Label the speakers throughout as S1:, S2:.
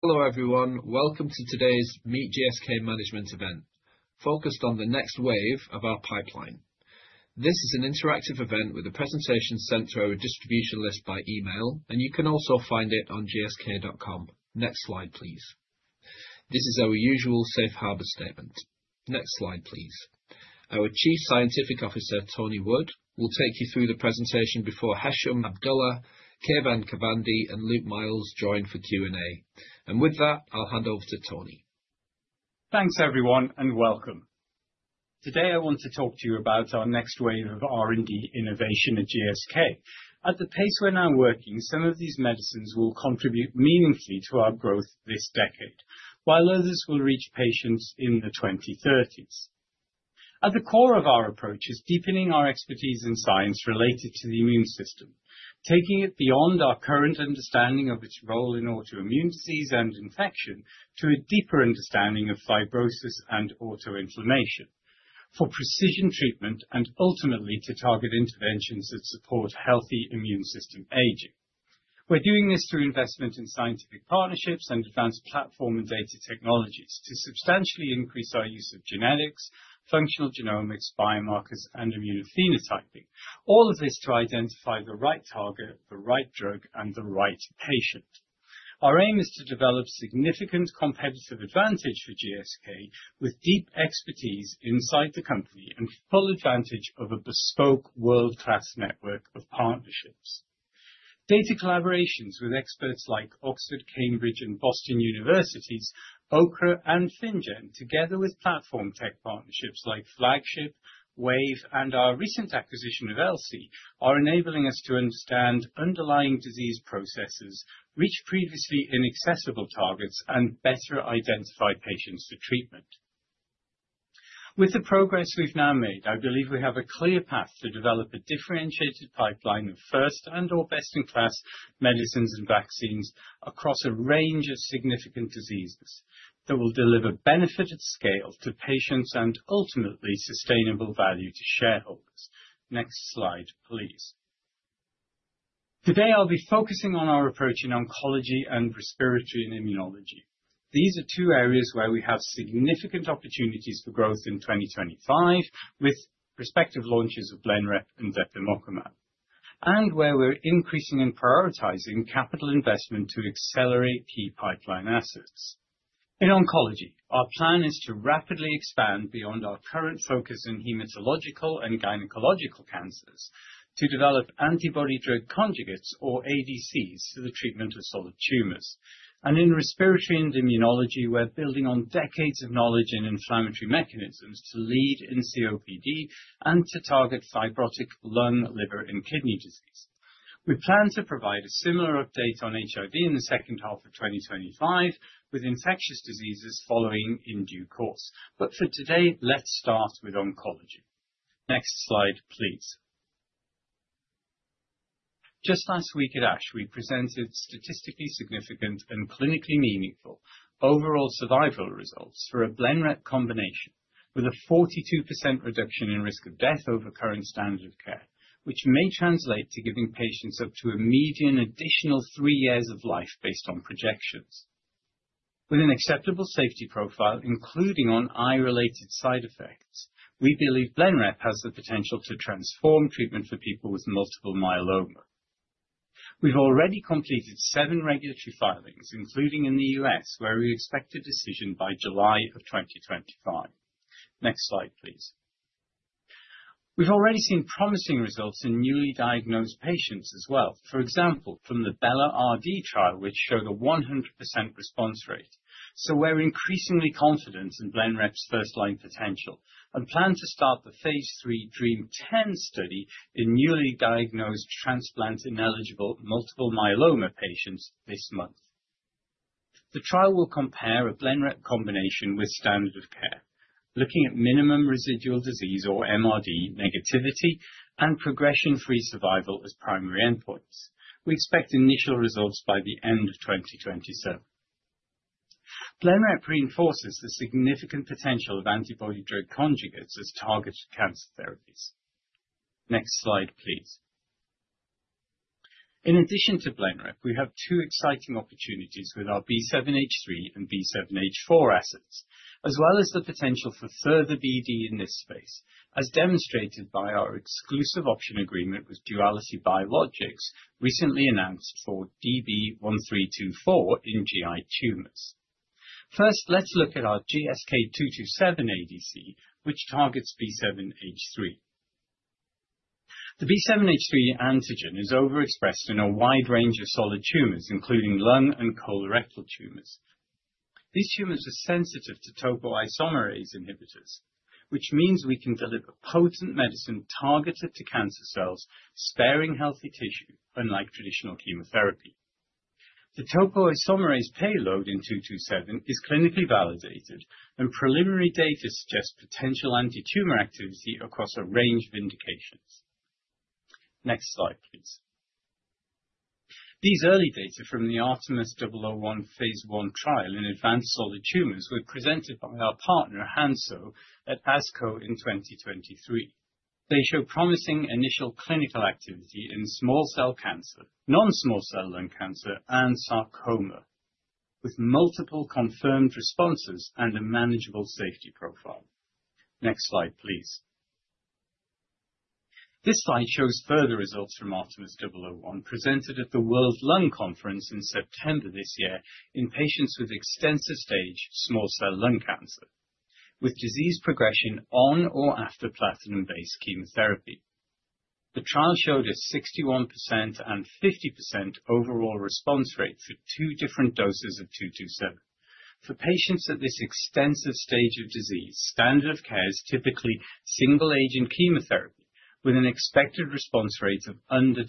S1: Hello everyone, welcome to today's Meet GSK Management event, focused on the next wave of our pipeline. This is an interactive event with a presentation sent to our distribution list by email, and you can also find it on gsk.com. Next slide, please. This is our usual safe harbor statement. Next slide, please. Our Chief Scientific Officer, Tony Wood, will take you through the presentation before Hesham Abdullah, Kaivan Khavandi, and Luke Miels join for Q&A. With that, I'll hand over to Tony.
S2: Thanks everyone, and welcome. Today I want to talk to you about our next wave of R&D innovation at GSK. At the pace we're now working, some of these medicines will contribute meaningfully to our growth this decade, while others will reach patients in the 2030s. At the core of our approach is deepening our expertise in science related to the immune system, taking it beyond our current understanding of its role in autoimmune disease and infection to a deeper understanding of fibrosis and autoinflammation for precision treatment, and ultimately to target interventions that support healthy immune system aging. We're doing this through investment in scientific partnerships and advanced platform and data technologies to substantially increase our use of genetics, functional genomics, biomarkers, and immunophenotyping, all of this to identify the right target, the right drug, and the right patient. Our aim is to develop significant competitive advantage for GSK with deep expertise inside the company and full advantage of a bespoke world-class network of partnerships. Data collaborations with experts like Oxford, Cambridge, and Boston universities, Ochre, and FinnGen, together with platform tech partnerships like Flagship, Wave, and our recent acquisition of Elsie, are enabling us to understand underlying disease processes, reach previously inaccessible targets, and better identify patients for treatment. With the progress we've now made, I believe we have a clear path to develop a differentiated pipeline of first and/or best-in-class medicines and vaccines across a range of significant diseases that will deliver benefit at scale to patients and ultimately sustainable value to shareholders. Next slide, please. Today I'll be focusing on our approach in oncology and respiratory immunology. These are two areas where we have significant opportunities for growth in 2025 with prospective launches of Blenrep and depemokimab, and where we're increasing and prioritizing capital investment to accelerate key pipeline assets. In oncology, our plan is to rapidly expand beyond our current focus in hematological and gynecological cancers to develop antibody-drug conjugates, or ADCs, for the treatment of solid tumors. And in respiratory and immunology, we're building on decades of knowledge in inflammatory mechanisms to lead in COPD and to target fibrotic lung, liver, and kidney disease. We plan to provide a similar update on HIV in the second half of 2025 with infectious diseases following in due course. But for today, let's start with oncology. Next slide, please. Just last week at ASH, we presented statistically significant and clinically meaningful overall survival results for a Blenrep combination with a 42% reduction in risk of death over current standard of care, which may translate to giving patients up to a median additional three years of life based on projections. With an acceptable safety profile, including on eye-related side effects, we believe Blenrep has the potential to transform treatment for people with multiple myeloma. We've already completed seven regulatory filings, including in the U.S., where we expect a decision by July of 2025. Next slide, please. We've already seen promising results in newly diagnosed patients as well. For example, from the BelaRd trial, which showed a 100% response rate. So we're increasingly confident in Blenrep's first-line potential and plan to start the phase III DREAMM-10 study in newly diagnosed, transplant-ineligible, multiple myeloma patients this month. The trial will compare a Blenrep combination with standard of care, looking at Minimum Residual Disease, or MRD, negativity and progression-free survival as primary endpoints. We expect initial results by the end of 2027. Blenrep reinforces the significant potential of antibody-drug conjugates as targeted cancer therapies. Next slide, please. In addition to Blenrep, we have two exciting opportunities with our B7-H3 and B7-H4 assets, as well as the potential for further BD in this space, as demonstrated by our exclusive option agreement with Duality Biologics recently announced for DB1324 in GI tumors. First, let's look at our GSK227 ADC, which targets B7-H3. The B7-H3 antigen is overexpressed in a wide range of solid tumors, including lung and colorectal tumors. These tumors are sensitive to topoisomerase inhibitors, which means we can deliver potent medicine targeted to cancer cells, sparing healthy tissue, unlike traditional chemotherapy. The topoisomerase payload in 227 is clinically validated, and preliminary data suggest potential anti-tumor activity across a range of indications. Next slide, please. These early data from the ARTEMIS-001 phase I trial in advanced solid tumors were presented by our partner, Hansoh, at ASCO in 2023. They show promising initial clinical activity in small cell lung cancer, non-small cell lung cancer, and sarcoma, with multiple confirmed responses and a manageable safety profile. Next slide, please. This slide shows further results from ARTEMIS-001 presented at the World Conference on Lung Cancer in September this year in patients with extensive stage small cell lung cancer, with disease progression on or after platinum-based chemotherapy. The trial showed a 61% and 50% overall response rate for two different doses of 227. For patients at this extensive stage of disease, standard of care is typically single-agent chemotherapy with an expected response rate of under 20%,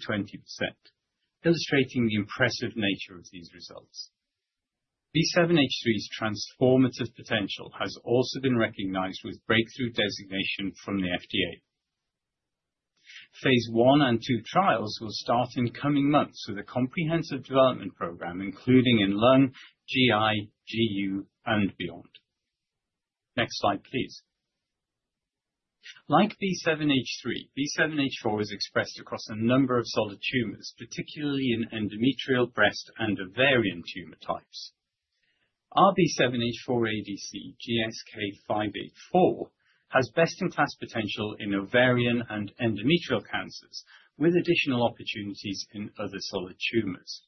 S2: illustrating the impressive nature of these results. B7-H3's transformative potential has also been recognized with breakthrough designation from the FDA. phase I and 2 trials will start in coming months with a comprehensive development program, including in lung, GI, GU, and beyond. Next slide, please. Like B7-H3, B7-H4 is expressed across a number of solid tumors, particularly in endometrial, breast, and ovarian tumor types. Our B7-H4 ADC, GSK584, has best-in-class potential in ovarian and endometrial cancers, with additional opportunities in other solid tumors.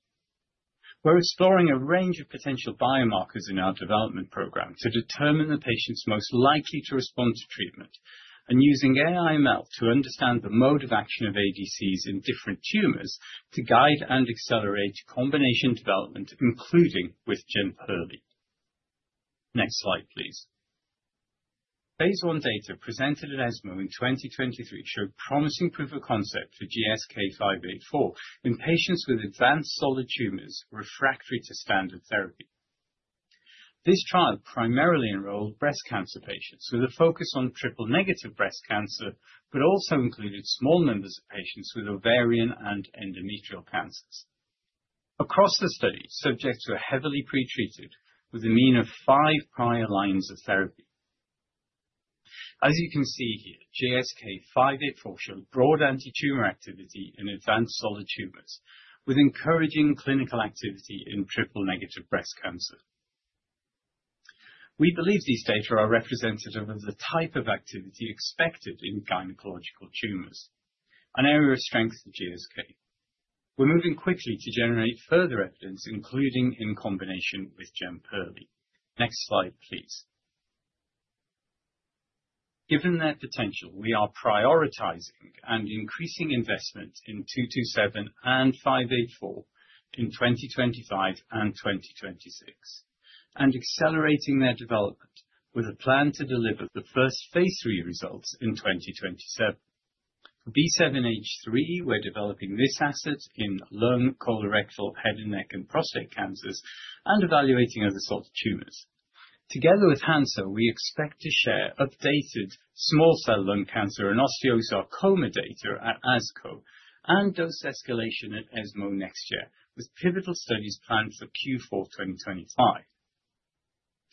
S2: We're exploring a range of potential biomarkers in our development program to determine the patients most likely to respond to treatment and using AI/ML to understand the mode of action of ADCs in different tumors to guide and accelerate combination development, including with Jemperli. Next slide, please. phase I data presented at ESMO in 2023 showed promising proof of concept for GSK584 in patients with advanced solid tumors refractory to standard therapy. This trial primarily enrolled breast cancer patients with a focus on triple-negative breast cancer, but also included small numbers of patients with ovarian and endometrial cancers. Across the study, subjects were heavily pretreated with a mean of five prior lines of therapy. As you can see here, GSK584 showed broad anti-tumor activity in advanced solid tumors, with encouraging clinical activity in triple-negative breast cancer. We believe these data are representative of the type of activity expected in gynecological tumors, an area of strength for GSK. We're moving quickly to generate further evidence, including in combination with Jemperli. Next slide, please. Given their potential, we are prioritizing and increasing investment in 227 and 584 in 2025 and 2026, and accelerating their development with a plan to deliver the first phase III results in 2027. For B7-H3, we're developing this asset in lung, colorectal, head and neck, and prostate cancers and evaluating other solid tumors. Together with Hansoh, we expect to share updated small cell lung cancer and osteosarcoma data at ASCO and dose escalation at ESMO next year, with pivotal studies planned for Q4 2025.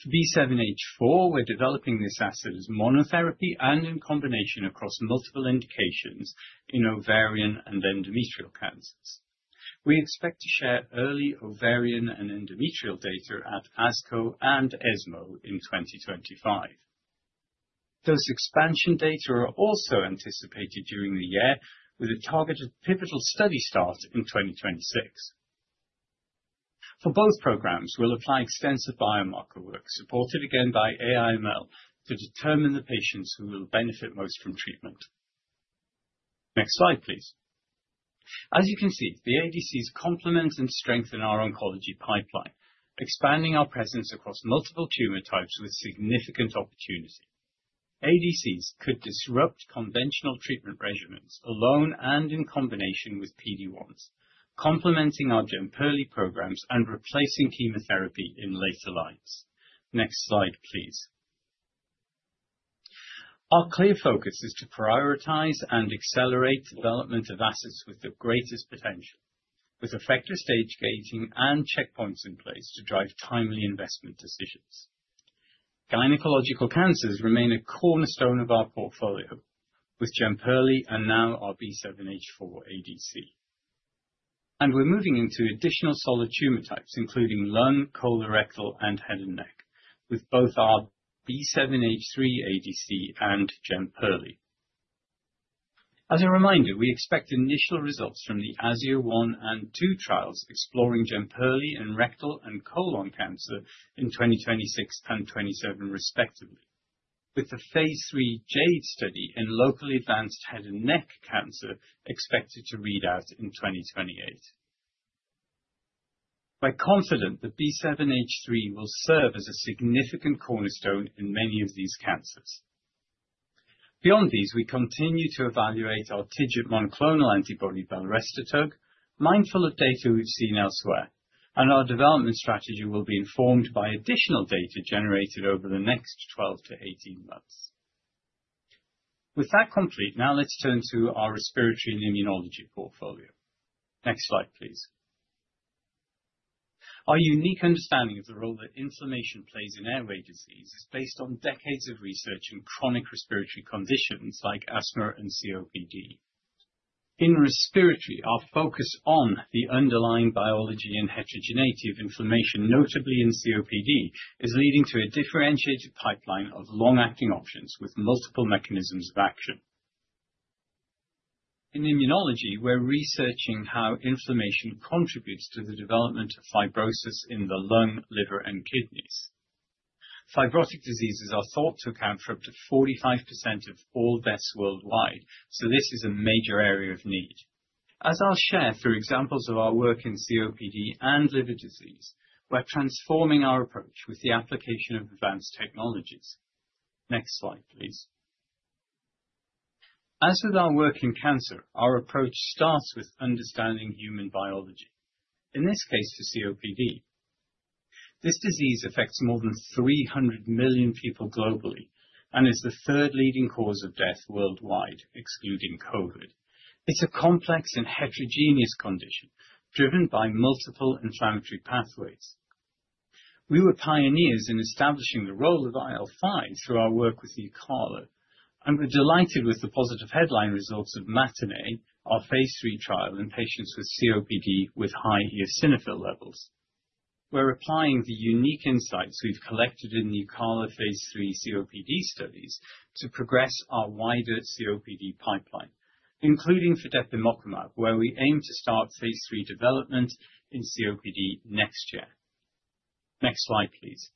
S2: For B7-H4, we're developing this asset as monotherapy and in combination across multiple indications in ovarian and endometrial cancers. We expect to share early ovarian and endometrial data at ASCO and ESMO in 2025. Those expansion data are also anticipated during the year, with a targeted pivotal study start in 2026. For both programs, we'll apply extensive biomarker work, supported again by AI/ML, to determine the patients who will benefit most from treatment. Next slide, please. As you can see, the ADCs complement and strengthen our oncology pipeline, expanding our presence across multiple tumor types with significant opportunity. ADCs could disrupt conventional treatment regimens alone and in combination with PD-1s, complementing our Jemperli programs and replacing chemotherapy in later lines. Next slide, please. Our clear focus is to prioritize and accelerate development of assets with the greatest potential, with effective stage gating and checkpoints in place to drive timely investment decisions. Gynecological cancers remain a cornerstone of our portfolio with Jemperli and now our B7-H4 ADC. We're moving into additional solid tumor types, including lung, colorectal, and head and neck, with both our B7-H3 ADC and Jemperli. As a reminder, we expect initial results from the AZUR-1 and AZUR-2 trials exploring Jemperli in rectal and colon cancer in 2026 and 2027, respectively, with the phase III JADE study in locally advanced head and neck cancer expected to read out in 2028. We're confident that B7-H3 will serve as a significant cornerstone in many of these cancers. Beyond these, we continue to evaluate our TIGIT monoclonal antibody, belrestotug, mindful of data we've seen elsewhere, and our development strategy will be informed by additional data generated over the next 12 to 18 months. With that complete, now let's turn to our respiratory and immunology portfolio. Next slide, please. Our unique understanding of the role that inflammation plays in airway disease is based on decades of research in chronic respiratory conditions like asthma and COPD. In respiratory, our focus on the underlying biology and heterogeneity of inflammation, notably in COPD, is leading to a differentiated pipeline of long-acting options with multiple mechanisms of action. In immunology, we're researching how inflammation contributes to the development of fibrosis in the lung, liver, and kidneys. Fibrotic diseases are thought to account for up to 45% of all deaths worldwide, so this is a major area of need. As I'll share through examples of our work in COPD and liver disease, we're transforming our approach with the application of advanced technologies. Next slide, please. As with our work in cancer, our approach starts with understanding human biology, in this case for COPD. This disease affects more than 300 million people globally and is the third-leading cause of death worldwide, excluding COVID. It's a complex and heterogeneous condition driven by multiple inflammatory pathways. We were pioneers in establishing the role of IL-5 through our work with NUCALA, and we're delighted with the positive headline results of MATINEE, our phase III trial in patients with COPD with high eosinophil levels. We're applying the unique insights we've collected in the NUCALA phase III COPD studies to progress our wider COPD pipeline, including for depemokimab, where we aim to start phase III development in COPD next year. Next slide, please.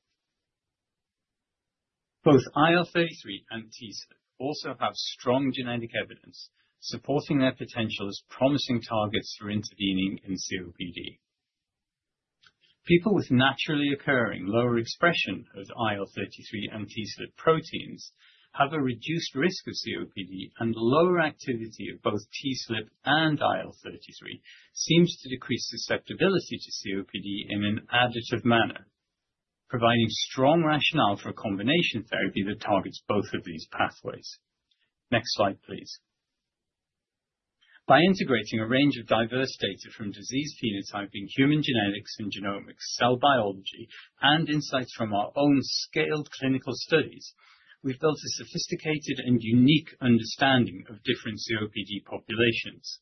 S2: Both IL-33 and TSLP also have strong genetic evidence supporting their potential as promising targets for intervening in COPD. People with naturally occurring lower expression of IL-33 and TSLP proteins have a reduced risk of COPD, and lower activity of both TSLP and IL-33 seems to decrease susceptibility to COPD in an additive manner, providing strong rationale for a combination therapy that targets both of these pathways. Next slide, please. By integrating a range of diverse data from disease phenotyping, human genetics and genomics, cell biology, and insights from our own scaled clinical studies, we've built a sophisticated and unique understanding of different COPD populations.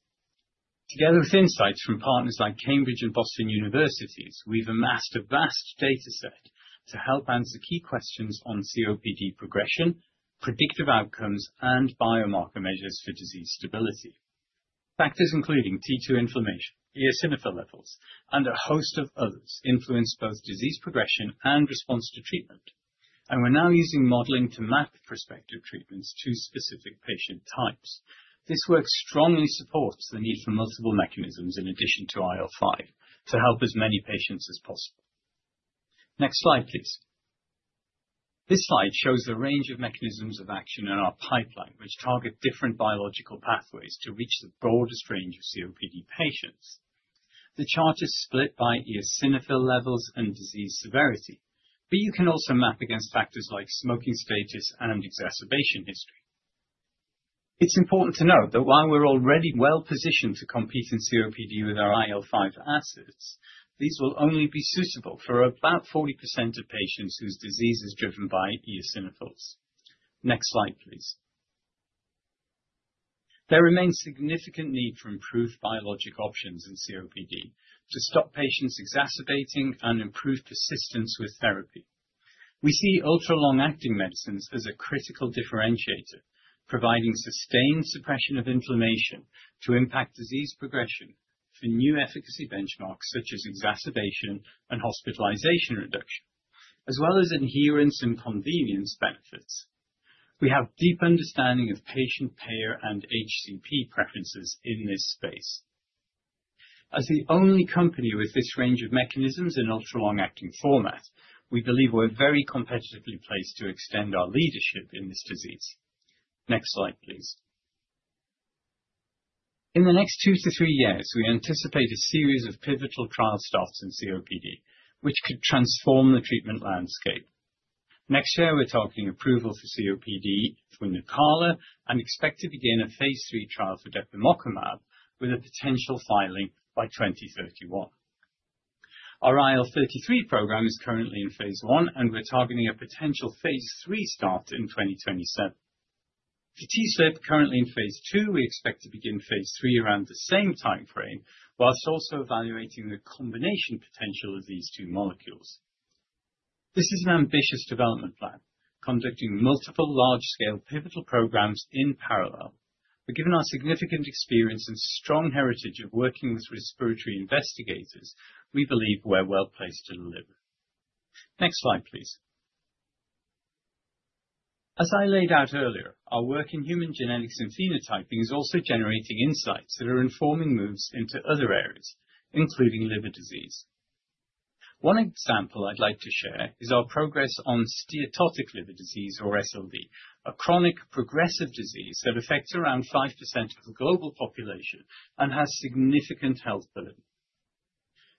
S2: Together with insights from partners like Cambridge University and Boston University, we've amassed a vast data set to help answer key questions on COPD progression, predictive outcomes, and biomarker measures for disease stability. Factors including T2 inflammation, eosinophil levels, and a host of others influence both disease progression and response to treatment, and we're now using modeling to map prospective treatments to specific patient types. This work strongly supports the need for multiple mechanisms in addition to IL-5 to help as many patients as possible. Next slide, please. This slide shows the range of mechanisms of action in our pipeline, which target different biological pathways to reach the broadest range of COPD patients. The chart is split by eosinophil levels and disease severity, but you can also map against factors like smoking status and exacerbation history. It's important to note that while we're already well positioned to compete in COPD with our IL-5 assets, these will only be suitable for about 40% of patients whose disease is driven by eosinophils. Next slide, please. There remains significant need for improved biologic options in COPD to stop patients exacerbating and improve persistence with therapy. We see ultra-long-acting medicines as a critical differentiator, providing sustained suppression of inflammation to impact disease progression for new efficacy benchmarks such as exacerbation and hospitalization reduction, as well as adherence and convenience benefits. We have deep understanding of patient payer and HCP preferences in this space. As the only company with this range of mechanisms in ultra-long-acting format, we believe we're very competitively placed to extend our leadership in this disease. Next slide, please. In the next two to three years, we anticipate a series of pivotal trial starts in COPD, which could transform the treatment landscape. Next year, we're targeting approval for COPD through NUCALA and expect to begin a phase III trial for depemokimab with a potential filing by 2031. Our IL-33 program is currently in phase I, and we're targeting a potential phase III start in 2027. For TSLP, currently in phase II, we expect to begin phase III around the same timeframe, whilst also evaluating the combination potential of these two molecules. This is an ambitious development plan, conducting multiple large-scale pivotal programs in parallel. But given our significant experience and strong heritage of working with respiratory investigators, we believe we're well placed to deliver. Next slide, please. As I laid out earlier, our work in human genetics and phenotyping is also generating insights that are informing moves into other areas, including liver disease. One example I'd like to share is our progress on steatotic liver disease, or SLD, a chronic progressive disease that affects around 5% of the global population and has significant health burden.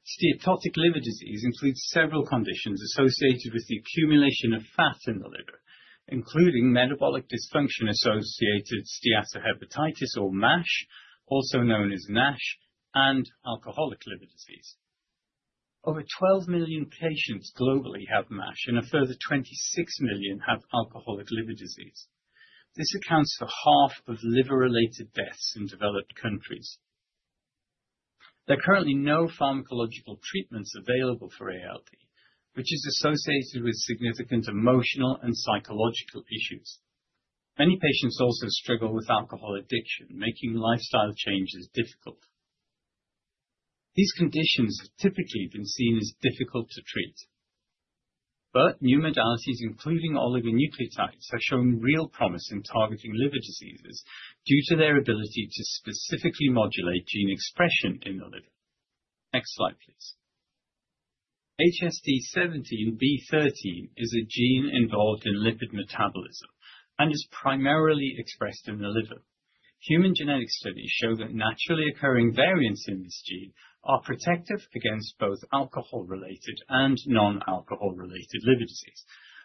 S2: Steatotic liver disease includes several conditions associated with the accumulation of fat in the liver, including metabolic dysfunction associated steatohepatitis, or MASH, also known as NASH, and alcoholic liver disease. Over 12 million patients globally have MASH, and a further 26 million have alcoholic liver disease. This accounts for half of liver-related deaths in developed countries. There are currently no pharmacological treatments available for ALD, which is associated with significant emotional and psychological issues. Many patients also struggle with alcohol addiction, making lifestyle changes difficult. These conditions have typically been seen as difficult to treat. But new modalities, including oligonucleotides, have shown real promise in targeting liver diseases due to their ability to specifically modulate gene expression in the liver. Next slide, please. HSD17B13 is a gene involved in lipid metabolism and is primarily expressed in the liver. Human genetic studies show that naturally occurring variants in this gene are protective against both alcohol-related and non-alcohol-related liver disease,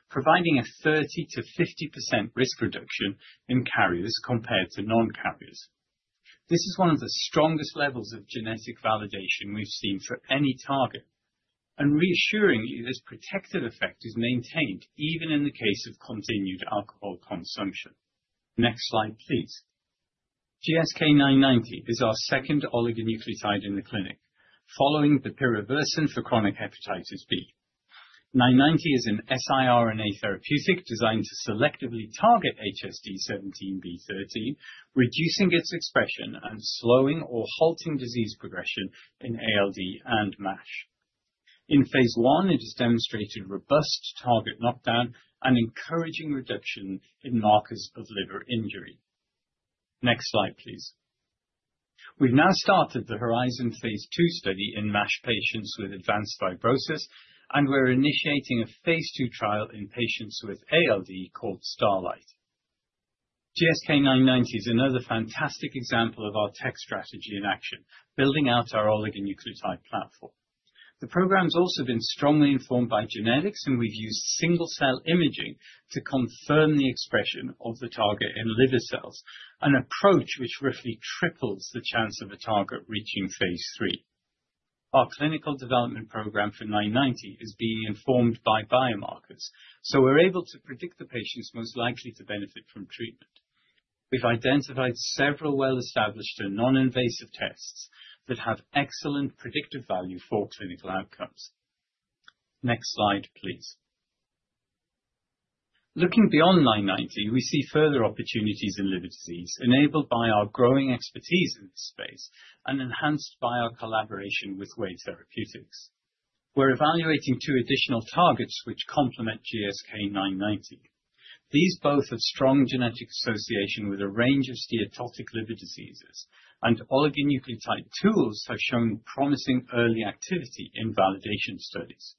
S2: providing a 30% to 50% risk reduction in carriers compared to non-carriers. This is one of the strongest levels of genetic validation we've seen for any target. And reassuringly, this protective effect is maintained even in the case of continued alcohol consumption. Next slide, please. GSK'990 is our second oligonucleotide in the clinic, following Bepirovirsen for chronic hepatitis B. 990 is an siRNA therapeutic designed to selectively target HSD17B13, reducing its expression and slowing or halting disease progression in ALD and MASH. In phase I, it has demonstrated robust target knockdown and encouraging reduction in markers of liver injury. Next slide, please. We've now started the HORIZON phase II study in MASH patients with advanced fibrosis, and we're initiating a phase II trial in patients with ALD called STARLIGHT. GSK'990 is another fantastic example of our tech strategy in action, building out our oligonucleotide platform. The program's also been strongly informed by genetics, and we've used single-cell imaging to confirm the expression of the target in liver cells, an approach which roughly triples the chance of a target reaching phase III. Our clinical development program for 990 is being informed by biomarkers, so we're able to predict the patients most likely to benefit from treatment. We've identified several well-established and non-invasive tests that have excellent predictive value for clinical outcomes. Next slide, please. Looking beyond 990, we see further opportunities in liver disease enabled by our growing expertise in this space and enhanced by our collaboration with Wave Life Sciences. We're evaluating two additional targets which complement GSK'990. These both have strong genetic association with a range of steatotic liver diseases, and oligonucleotide tools have shown promising early activity in validation studies.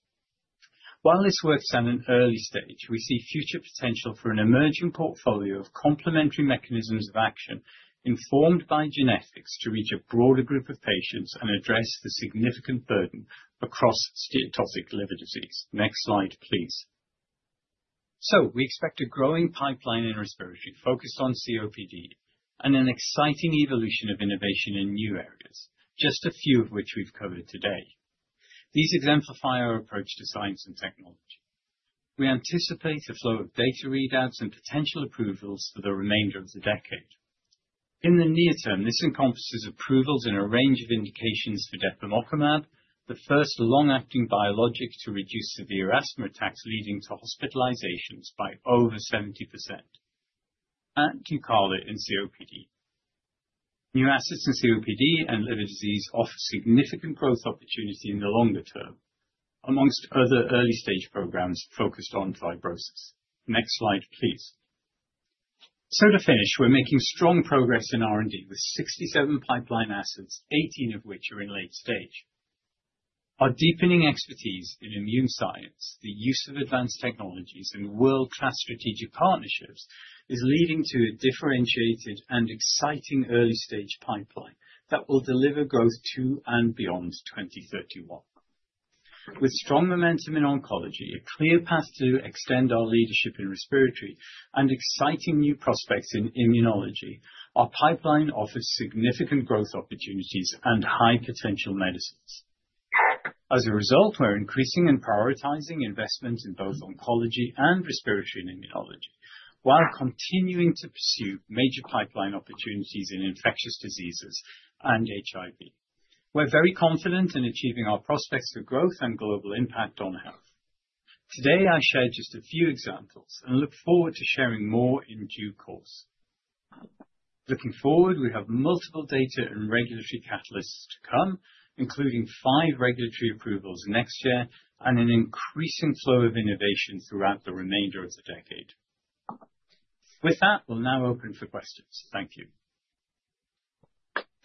S2: While this works at an early stage, we see future potential for an emerging portfolio of complementary mechanisms of action informed by genetics to reach a broader group of patients and address the significant burden across steatotic liver disease. Next slide, please. So we expect a growing pipeline in respiratory focused on COPD and an exciting evolution of innovation in new areas, just a few of which we've covered today. These exemplify our approach to science and technology. We anticipate a flow of data readouts and potential approvals for the remainder of the decade. In the near term, this encompasses approvals in a range of indications for depemokimab, the first long-acting biologic to reduce severe asthma attacks leading to hospitalizations by over 70%, and NUCALA in COPD. New assets in COPD and liver disease offer significant growth opportunity in the longer term, among other early-stage programs focused on fibrosis. Next slide, please. So to finish, we're making strong progress in R&D with 67 pipeline assets, 18 of which are in late stage. Our deepening expertise in immune science, the use of advanced technologies, and world-class strategic partnerships is leading to a differentiated and exciting early-stage pipeline that will deliver growth to and beyond 2031. With strong momentum in oncology, a clear path to extend our leadership in respiratory, and exciting new prospects in immunology, our pipeline offers significant growth opportunities and high-potential medicines. As a result, we're increasing and prioritizing investment in both oncology and respiratory and immunology, while continuing to pursue major pipeline opportunities in infectious diseases and HIV. We're very confident in achieving our prospects for growth and global impact on health. Today, I shared just a few examples and look forward to sharing more in due course. Looking forward, we have multiple data and regulatory catalysts to come, including five regulatory approvals next year and an increasing flow of innovation throughout the remainder of the decade. With that, we'll now open for questions. Thank you.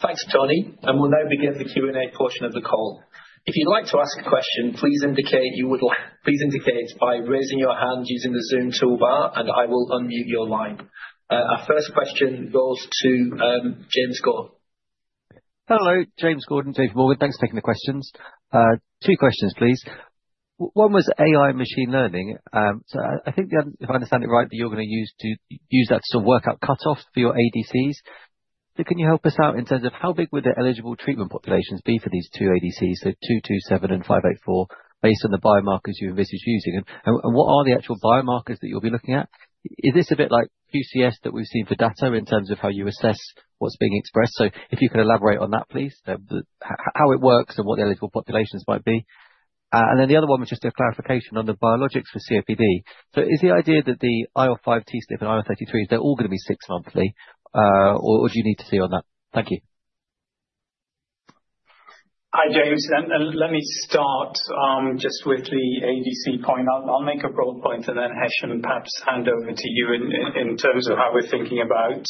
S1: Thanks, Tony. And we'll now begin the Q&A portion of the call. If you'd like to ask a question, please indicate you would like to raise your hand using the Zoom toolbar, and I will unmute your line. Our first question goes to James Gordon.
S3: Hello, James Gordon from J.P. Morgan. Thanks for taking the questions. Two questions, please. One was AI machine learning. So I think, if I understand it right, that you're going to use that to sort of work out cutoffs for your ADCs. So can you help us out in terms of how big would the eligible treatment populations be for these two ADCs, so 227 and 584, based on the biomarkers you envisage using? And what are the actual biomarkers that you'll be looking at? Is this a bit like IHC that we've seen for data in terms of how you assess what's being expressed? So if you could elaborate on that, please, how it works and what the eligible populations might be. And then the other one was just a clarification on the biologics for COPD. So is the idea that the IL-5, TSLP, and IL-33, they're all going to be six monthly, or do you need to see on that? Thank you.
S2: Hi, James. And let me start just with the ADC point. I'll make a broad point, and then Hesham can perhaps hand over to you in terms of how we're thinking about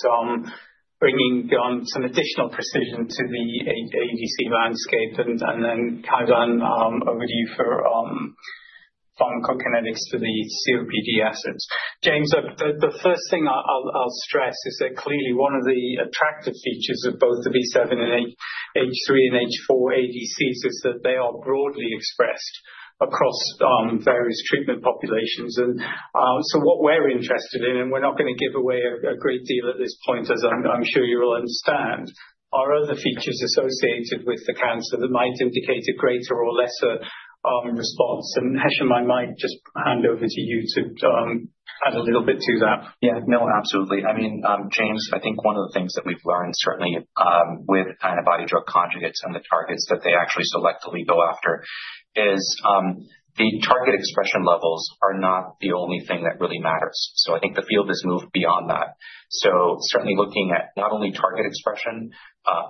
S2: bringing on some additional precision to the ADC landscape. And then Kaivan, over to you for pharmacokinetics for the COPD assets. James, the first thing I'll stress is that clearly one of the attractive features of both the B7-H3 and B7-H4 ADCs is that they are broadly expressed across various treatment populations. And so what we're interested in, and we're not going to give away a great deal at this point, as I'm sure you will understand, are other features associated with the cancer that might indicate a greater or lesser response. And Hesham, I might just hand over to you to add a little bit to that. Yeah, no, absolutely.
S4: I mean, James, I think one of the things that we've learned certainly with antibody-drug conjugates and the targets that they actually selectively go after is the target expression levels are not the only thing that really matters. So I think the field has moved beyond that. So certainly looking at not only target expression,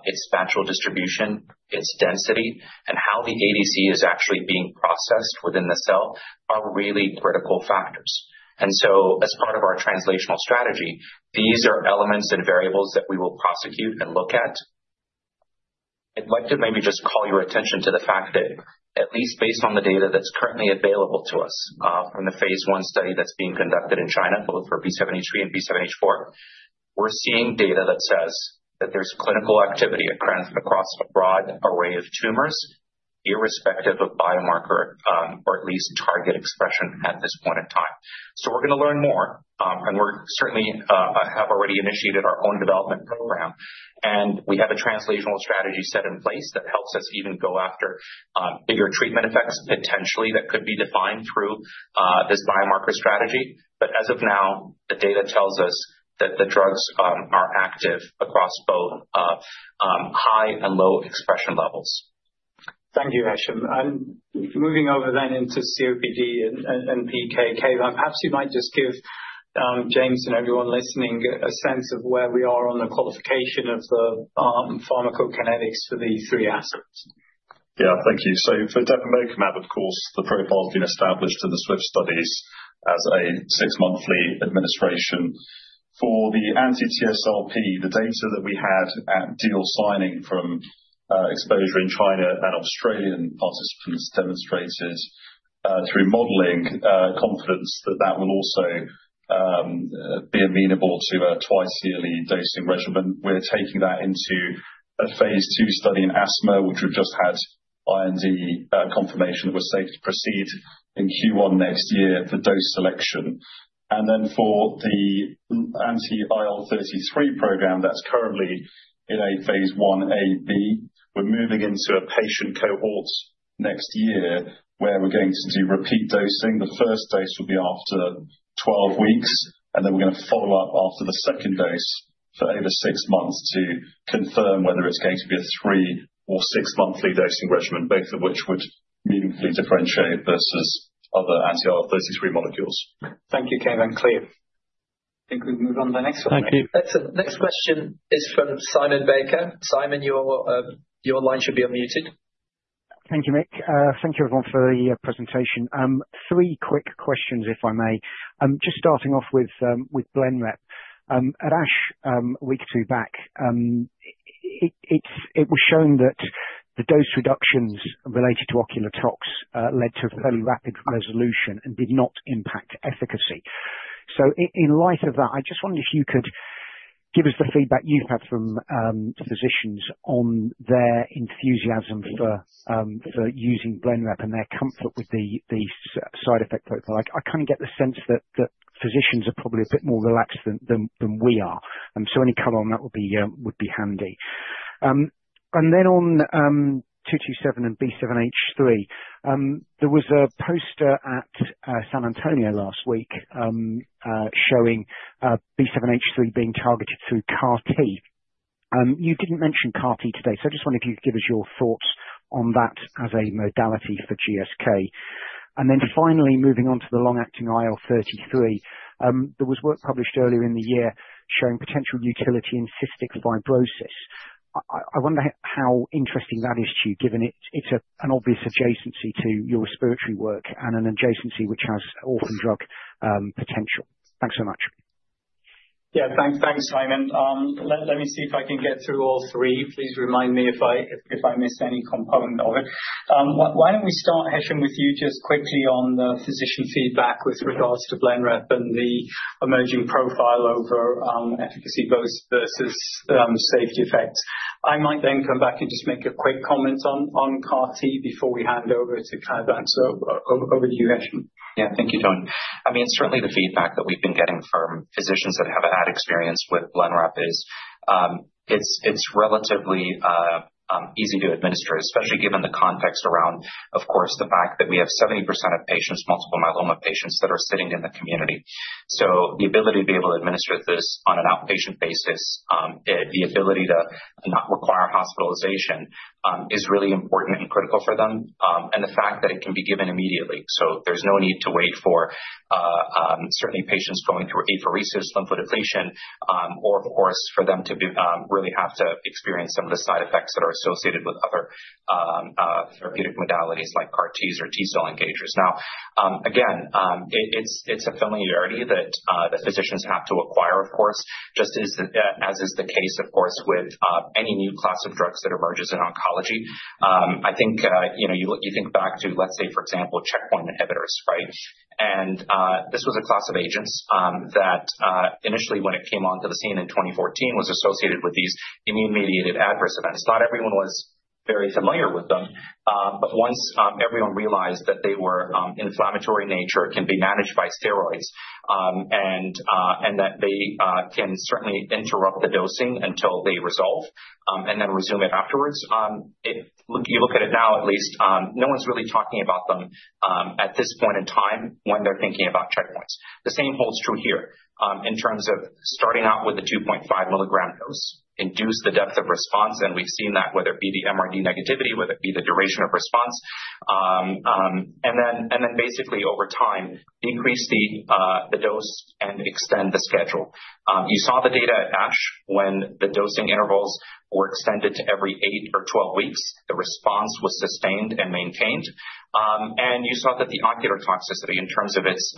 S4: its natural distribution, its density, and how the ADC is actually being processed within the cell are really critical factors. And so as part of our translational strategy, these are elements and variables that we will prosecute and look at. I'd like to maybe just call your attention to the fact that, at least based on the data that's currently available to us from the phase I study that's being conducted in China, both for B7-H3 and B7-H4, we're seeing data that says that there's clinical activity across a broad array of tumors, irrespective of biomarker or at least target expression at this point in time. So we're going to learn more. And we certainly have already initiated our own development program. And we have a translational strategy set in place that helps us even go after bigger treatment effects potentially that could be defined through this biomarker strategy. But as of now, the data tells us that the drugs are active across both high and low expression levels.
S2: Thank you, Hesham. Moving over then into COPD and PK, perhaps you might just give James and everyone listening a sense of where we are on the qualification of the pharmacokinetics for the three assets.
S5: Yeah, thank you. So for depemokimab, of course, the protocol has been established in the SWIFT studies as a six-monthly administration. For the anti-TSLP, the data that we had at deal signing from exposure in China and Australian participants demonstrated through modeling confidence that that will also be amenable to a twice-yearly dosing regimen. We're taking that into a phase II study in asthma, which we've just had IND confirmation that we're safe to proceed in Q1 next year for dose selection. Then for the anti-IL-33 program that's currently in a phase Iab, we're moving into a patient cohort next year where we're going to do repeat dosing. The first dose will be after 12 weeks. And then we're going to follow up after the second dose for over six months to confirm whether it's going to be a three or six-monthly dosing regimen, both of which would meaningfully differentiate versus other anti-IL-33 molecules.
S3: Thank you, Kaivan. Clear.
S1: I think we've moved on to the next one. Thank you. Next question is from Simon Baker. Simon, your line should be unmuted.
S6: Thank you, Mick. Thank you, everyone, for the presentation. Three quick questions, if I may. Just starting off with Blenrep. At ASH, a week or two back, it was shown that the dose reductions related to oculotox led to a fairly rapid resolution and did not impact efficacy. So in light of that, I just wondered if you could give us the feedback you've had from physicians on their enthusiasm for using Blenrep and their comfort with the side effect protocol. I kind of get the sense that physicians are probably a bit more relaxed than we are. So any color on that would be handy. And then on 227 and B7-H3, there was a poster at San Antonio last week showing B7-H3 being targeted through CAR-T. You didn't mention CAR-T today, so I just wondered if you could give us your thoughts on that as a modality for GSK. And then finally, moving on to the long-acting IL-33, there was work published earlier in the year showing potential utility in cystic fibrosis. I wonder how interesting that is to you, given it's an obvious adjacency to your respiratory work and an adjacency which has orphan drug potential. Thanks so much.
S2: Yeah, thanks, Simon. Let me see if I can get through all three. Please remind me if I miss any component of it. Why don't we start, Hesham, with you just quickly on the physician feedback with regards to Blenrep and the emerging profile over efficacy versus safety effects? I might then come back and just make a quick comment on CAR-T before we hand over to Kaivan. So over to you, Hesham.
S4: Yeah, thank you, Tony. I mean, certainly the feedback that we've been getting from physicians that have had experience with Blenrep is it's relatively easy to administer, especially given the context around, of course, the fact that we have 70% of patients, multiple myeloma patients, that are sitting in the community. So the ability to be able to administer this on an outpatient basis, the ability to not require hospitalization, is really important and critical for them. And the fact that it can be given immediately. So there's no need to wait for certainly patients going through apheresis, lymphoid ablation, or, of course, for them to really have to experience some of the side effects that are associated with other therapeutic modalities like CAR-Ts or T-cell engagers. Now, again, it's a familiarity that the physicians have to acquire, of course, just as is the case, of course, with any new class of drugs that emerges in oncology. I think you think back to, let's say, for example, checkpoint inhibitors, right? And this was a class of agents that initially, when it came onto the scene in 2014, was associated with these immune-mediated adverse events. Not everyone was very familiar with them. But once everyone realized that they were inflammatory in nature, can be managed by steroids, and that they can certainly interrupt the dosing until they resolve and then resume it afterwards, you look at it now. At least, no one's really talking about them at this point in time when they're thinking about checkpoints. The same holds true here in terms of starting out with a 2.5 milligram dose, induce the depth of response. And we've seen that, whether it be the MRD negativity, whether it be the duration of response. And then basically, over time, increase the dose and extend the schedule. You saw the data at ASH when the dosing intervals were extended to every eight or 12 weeks. The response was sustained and maintained. And you saw that the ocular toxicity in terms of its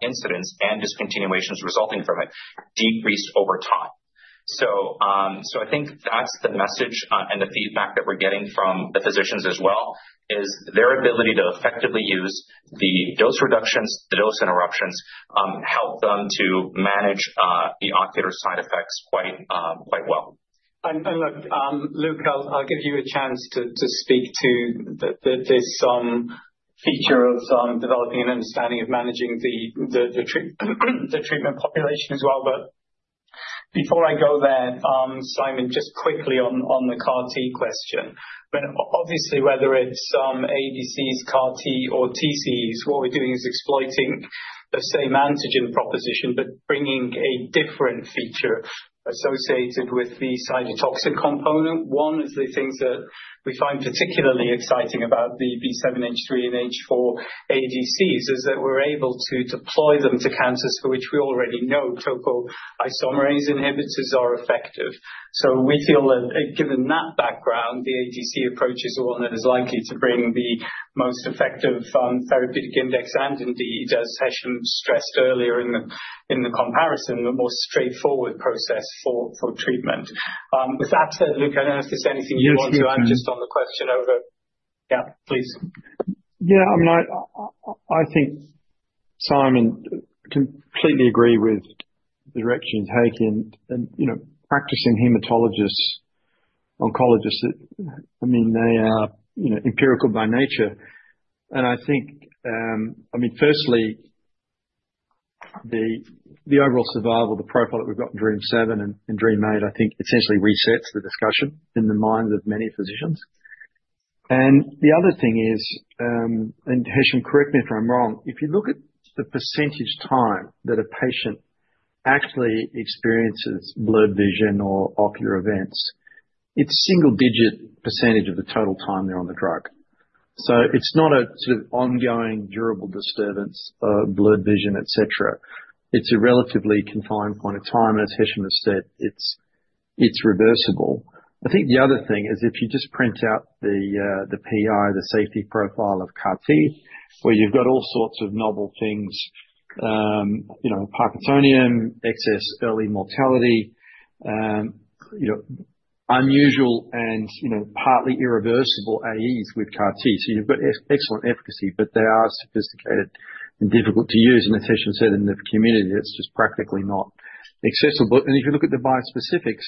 S4: incidence and discontinuations resulting from it decreased over time. So I think that's the message and the feedback that we're getting from the physicians as well, is their ability to effectively use the dose reductions, the dose interruptions, help them to manage the ocular side effects quite well.
S2: And look, Luke, I'll give you a chance to speak to this feature of developing an understanding of managing the treatment population as well. But before I go there, Simon, just quickly on the CAR-T question. Obviously, whether it's ADCs, CAR-T, or TCs, what we're doing is exploiting the same antigen proposition, but bringing a different feature associated with the cytotoxin component. One of the things that we find particularly exciting about the B7-H3 and B7-H4 ADCs is that we're able to deploy them to cancers for which we already know topoisomerase inhibitors are effective. So we feel that given that background, the ADC approach is one that is likely to bring the most effective therapeutic index. And indeed, as Hesham stressed earlier in the comparison, the more straightforward process for treatment. With that said, Luke, I don't know if there's anything you want to add just on the question over. Yeah, please.
S7: Yeah, I think Simon completely agree with the direction he's taking. And practicing hematologists, oncologists, I mean, they are empirical by nature. And I think, I mean, firstly, the overall survival, the profile that we've got in DREAMM-7 and DREAMM-8, I think essentially resets the discussion in the minds of many physicians. The other thing is, and Hesham, correct me if I'm wrong, if you look at the percentage time that a patient actually experiences blurred vision or ocular events, it's a single-digit percentage of the total time they're on the drug. So it's not a sort of ongoing durable disturbance, blurred vision, etc. It's a relatively confined point of time. And as Hesham has said, it's reversible. I think the other thing is if you just print out the PI, the safety profile of CAR-T, where you've got all sorts of novel things, parkinsonism, excess early mortality, unusual and partly irreversible AEs with CAR-T. So you've got excellent efficacy, but they are sophisticated and difficult to use. And as Hesham said, in the community, it's just practically not accessible. And if you look at the bispecifics,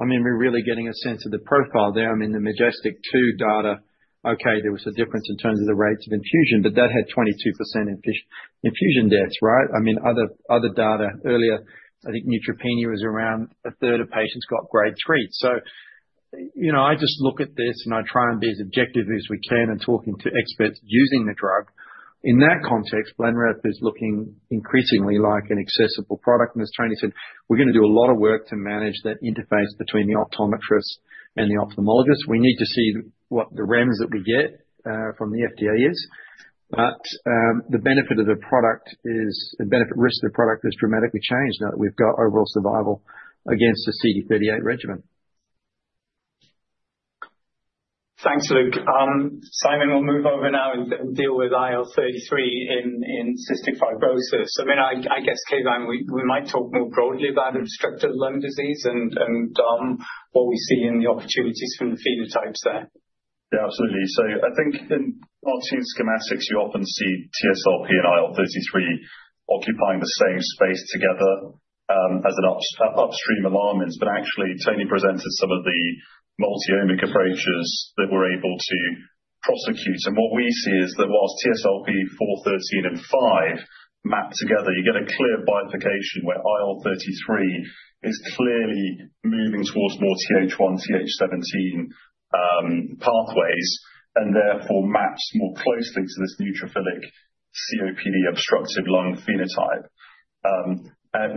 S7: I mean, we're really getting a sense of the profile there. I mean, the MajesTEC-2, okay, there was a difference in terms of the rates of infusion, but that had 22% infusion deaths, right? I mean, other data earlier, I think neutropenia was around a third of patients got grade three. So I just look at this and I try and be as objective as we can in talking to experts using the drug. In that context, Blenrep is looking increasingly like an accessible product. And as Tony said, we're going to do a lot of work to manage that interface between the optometrist and the ophthalmologist. We need to see what the REMS that we get from the FDA is. But the benefit of the product is the benefit risk of the product has dramatically changed now that we've got overall survival against the CD38 regimen.
S2: Thanks, Luke. Simon, we'll move over now and deal with IL-33 in cystic fibrosis. I mean, I guess, Kaivan, we might talk more broadly about obstructive lung disease and what we see in the opportunities from the phenotypes there.
S5: Yeah, absolutely, so I think in eosinophilic, you often see TSLP and IL-33 occupying the same space together as an upstream alarmin, but actually, Tony presented some of the multi-omic approaches that we're able to pursue, and what we see is that whilst TSLP, IL-13 and IL-5 map together, you get a clear bifurcation where IL-33 is clearly moving towards more TH1, TH17 pathways and therefore maps more closely to this neutrophilic COPD obstructive lung phenotype.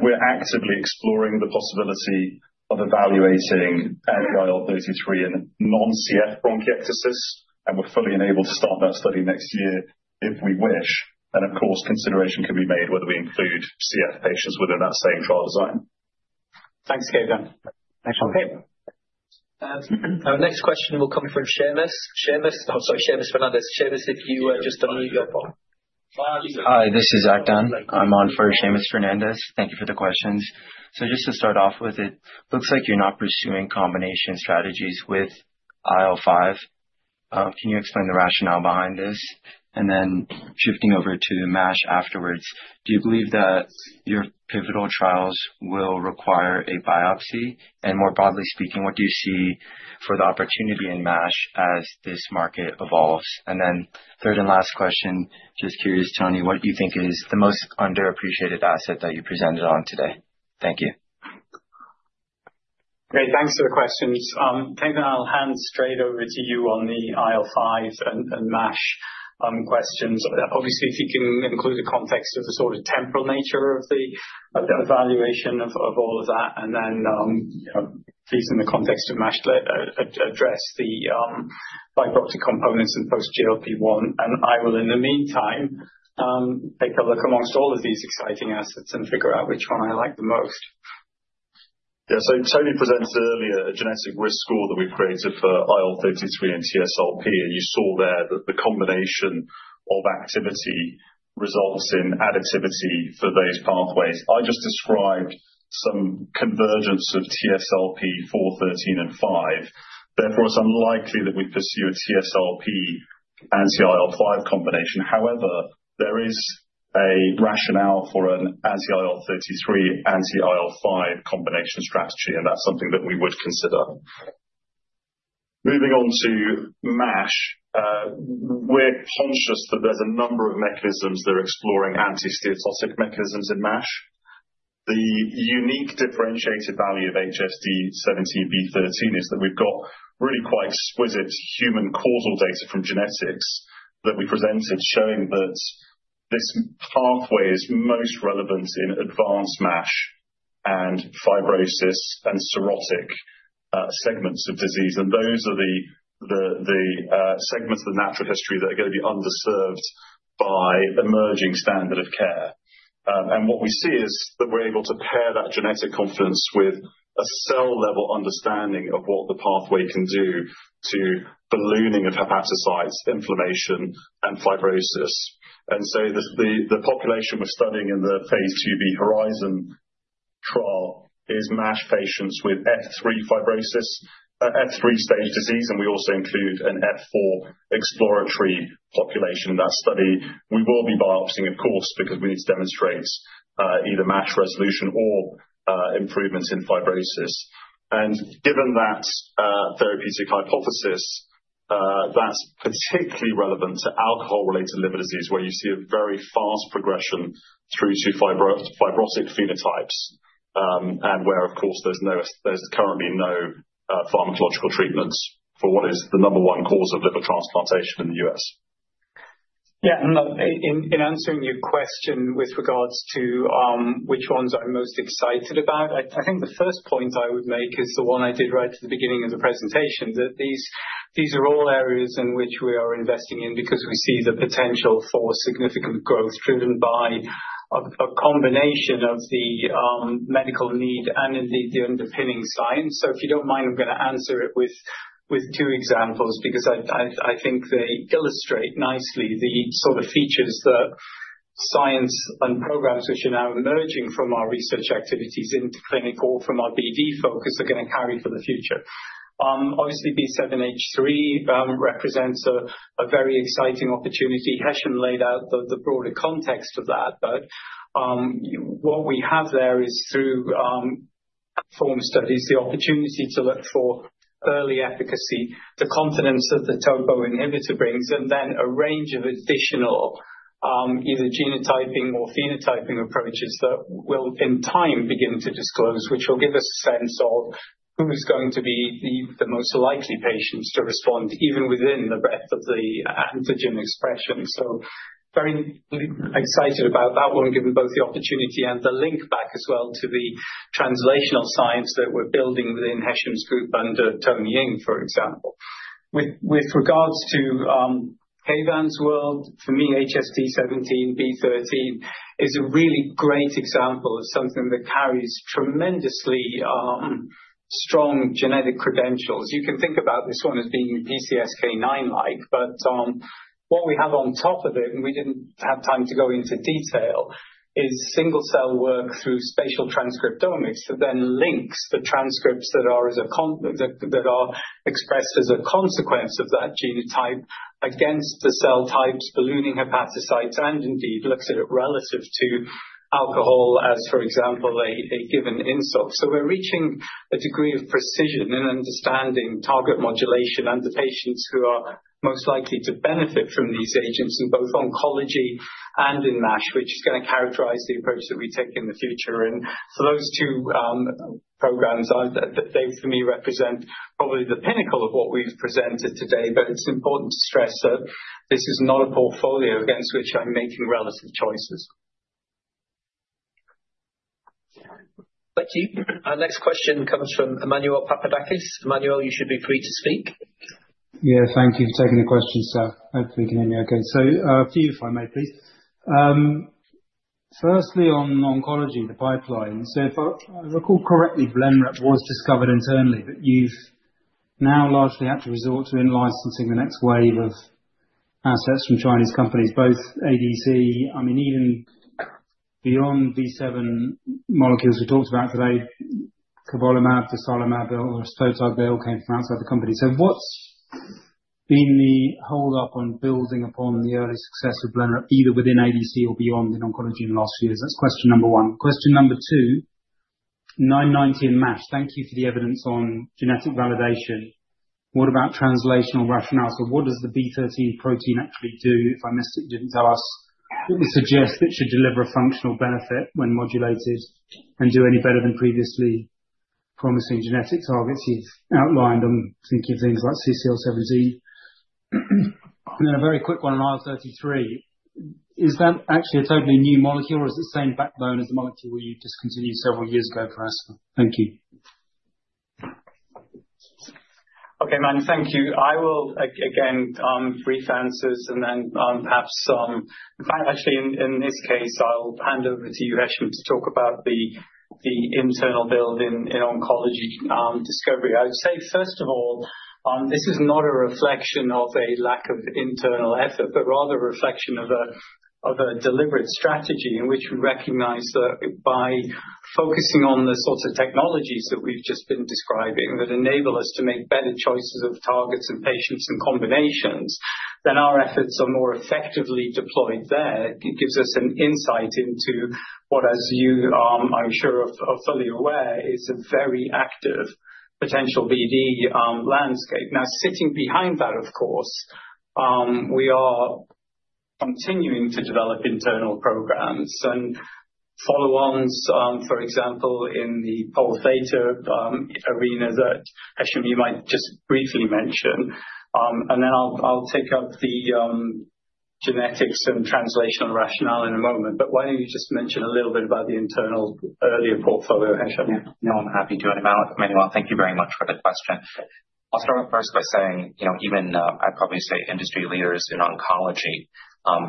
S5: We're actively exploring the possibility of evaluating anti-IL-33 in non-CF bronchiectasis, and we're fully enabled to start that study next year if we wish. Of course, consideration can be made whether we include CF patients within that same trial design.
S6: Thanks, Kaivan. Thanks, Simon.
S1: Our next question will come from Seamus. Seamus, I'm sorry, Seamus Fernandez. Seamus, if you just unmute your phone. Hi, this is Akdan. I'm on for Seamus Fernandez. Thank you for the questions. So just to start off with, it looks like you're not pursuing combination strategies with IL-5. Can you explain the rationale behind this? And then shifting over to MASH afterwards, do you believe that your pivotal trials will require a biopsy? And more broadly speaking, what do you see for the opportunity in MASH as this market evolves? And then third and last question, just curious, Tony, what do you think is the most underappreciated asset that you presented on today? Thank you.
S2: Great. Thanks for the questions. Kaivan, I'll hand straight over to you on the IL-5 and MASH questions. Obviously, if you can include the context of the sort of temporal nature of the evaluation of all of that, and then please, in the context of MASH, address the fibroproliferative components and post-GLP-1, and I will, in the meantime, take a look among all of these exciting assets and figure out which one I like the most.
S5: Yeah, so Tony presented earlier a genetic risk score that we've created for IL-33 and TSLP, and you saw there that the combination of activity results in additivity for those pathways. I just described some convergence of TSLP, IL-13 and IL-5. Therefore, it's unlikely that we pursue a TSLP anti-IL-5 combination. However, there is a rationale for an anti-IL-33, anti-IL-5 combination strategy, and that's something that we would consider. Moving on to MASH, we're conscious that there's a number of mechanisms that are exploring anti-steatosis mechanisms in MASH. The unique differentiated value of HSD17B13 is that we've got really quite exquisite human causal data from genetics that we presented showing that this pathway is most relevant in advanced MASH and fibrosis and cirrhotic segments of disease. And those are the segments of the natural history that are going to be underserved by emerging standard of care. And what we see is that we're able to pair that genetic confidence with a cell-level understanding of what the pathway can do to ballooning of hepatocytes, inflammation, and fibrosis. And so the population we're studying in the phase II-B Horizon trial is MASH patients with F3 fibrosis, F3 stage disease. And we also include an F4 exploratory population in that study. We will be biopsying, of course, because we need to demonstrate either MASH resolution or improvements in fibrosis, and given that therapeutic hypothesis, that's particularly relevant to alcohol-related liver disease, where you see a very fast progression through to fibrotic phenotypes and where, of course, there's currently no pharmacological treatments for what is the number one cause of liver transplantation in the U.S.
S2: Yeah, in answering your question with regards to which ones I'm most excited about, I think the first point I would make is the one I did right at the beginning of the presentation, that these are all areas in which we are investing in because we see the potential for significant growth driven by a combination of the medical need and indeed the underpinning science. So if you don't mind, I'm going to answer it with two examples because I think they illustrate nicely the sort of features that science and programs which are now emerging from our research activities into clinical from our BD focus are going to carry for the future. Obviously, B7-H3 represents a very exciting opportunity. Hesham laid out the broader context of that. But what we have there is, through phase I studies, the opportunity to look for early efficacy, the confidence that the topo inhibitor brings, and then a range of additional either genotyping or phenotyping approaches that will, in time, begin to disclose, which will give us a sense of who's going to be the most likely patients to respond, even within the breadth of the antigen expression. So very excited about that one, given both the opportunity and the link back as well to the translational science that we're building within Hesham's group under Tony Ying, for example. With regards to Kaivan's world, for me, HSD17B13 is a really great example of something that carries tremendously strong genetic credentials. You can think about this one as being PCSK9-like. But what we have on top of it, and we didn't have time to go into detail, is single-cell work through spatial transcriptomics that then links the transcripts that are expressed as a consequence of that genotype against the cell types, ballooning hepatocytes, and indeed looks at it relative to alcohol as, for example, a given insult. So we're reaching a degree of precision in understanding target modulation and the patients who are most likely to benefit from these agents in both oncology and in MASH, which is going to characterize the approach that we take in the future. And for those two programs, they for me represent probably the pinnacle of what we've presented today. But it's important to stress that this is not a portfolio against which I'm making relative choices.
S1: Thank you. Our next question comes from Emmanuel Papadakis. Emmanuel, you should be free to speak.
S8: Yeah, thank you for taking the question, sir. Hopefully, you can hear me okay. So a few, if I may, please. Firstly, on oncology, the pipeline. So if I recall correctly, Blenrep was discovered internally, but you've now largely had to resort to in-licensing the next wave of assets from Chinese companies, both ADC. I mean, even beyond B7 molecules we talked about today, cobolimab, dostarlimab, or belrestotug came from outside the company. So what's been the holdup on building upon the early success of Blenrep, either within ADC or beyond in oncology in the last few years? That's question number one. Question number two, 990 in MASH. Thank you for the evidence on genetic validation. What about translational rationales? So what does the B13 protein actually do? If I missed it, you didn't tell us. What would suggest it should deliver a functional benefit when modulated and do any better than previously promising genetic targets you've outlined? I'm thinking of things like CCL17. And then a very quick one on IL-33. Is that actually a totally new molecule, or is it the same backbone as the molecule you discontinued several years ago for aspirin? Thank you.
S2: Okay, man, thank you. I will, again, brief answers and then perhaps some in fact, actually, in this case, I'll hand over to you, Hesham, to talk about the internal build in oncology discovery. I would say, first of all, this is not a reflection of a lack of internal effort, but rather a reflection of a deliberate strategy in which we recognize that by focusing on the sorts of technologies that we've just been describing that enable us to make better choices of targets and patients and combinations, then our efforts are more effectively deployed there. It gives us an insight into what, as you, I'm sure, are fully aware, is a very active potential BD landscape. Now, sitting behind that, of course, we are continuing to develop internal programs and follow-ons, for example, in the Pol-theta arena that Hesham, you might just briefly mention. And then I'll take up the genetics and translational rationale in a moment. But why don't you just mention a little bit about the internal earlier portfolio, Hesham?
S4: Yeah, no, I'm happy to. And Emmanuel, thank you very much for the question. I'll start off first by saying even I'd probably say industry leaders in oncology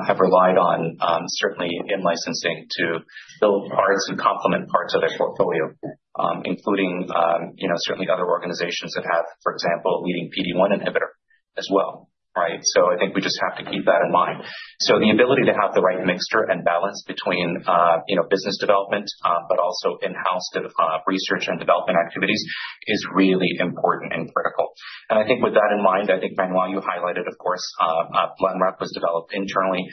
S4: have relied on, certainly in licensing, to build parts and complement parts of their portfolio, including certainly other organizations that have, for example, a leading PD-1 inhibitor as well. Right? So I think we just have to keep that in mind. So the ability to have the right mixture and balance between business development, but also in-house research and development activities is really important and critical. I think with that in mind, I think, Manuel, you highlighted, of course, Blenrep was developed internally.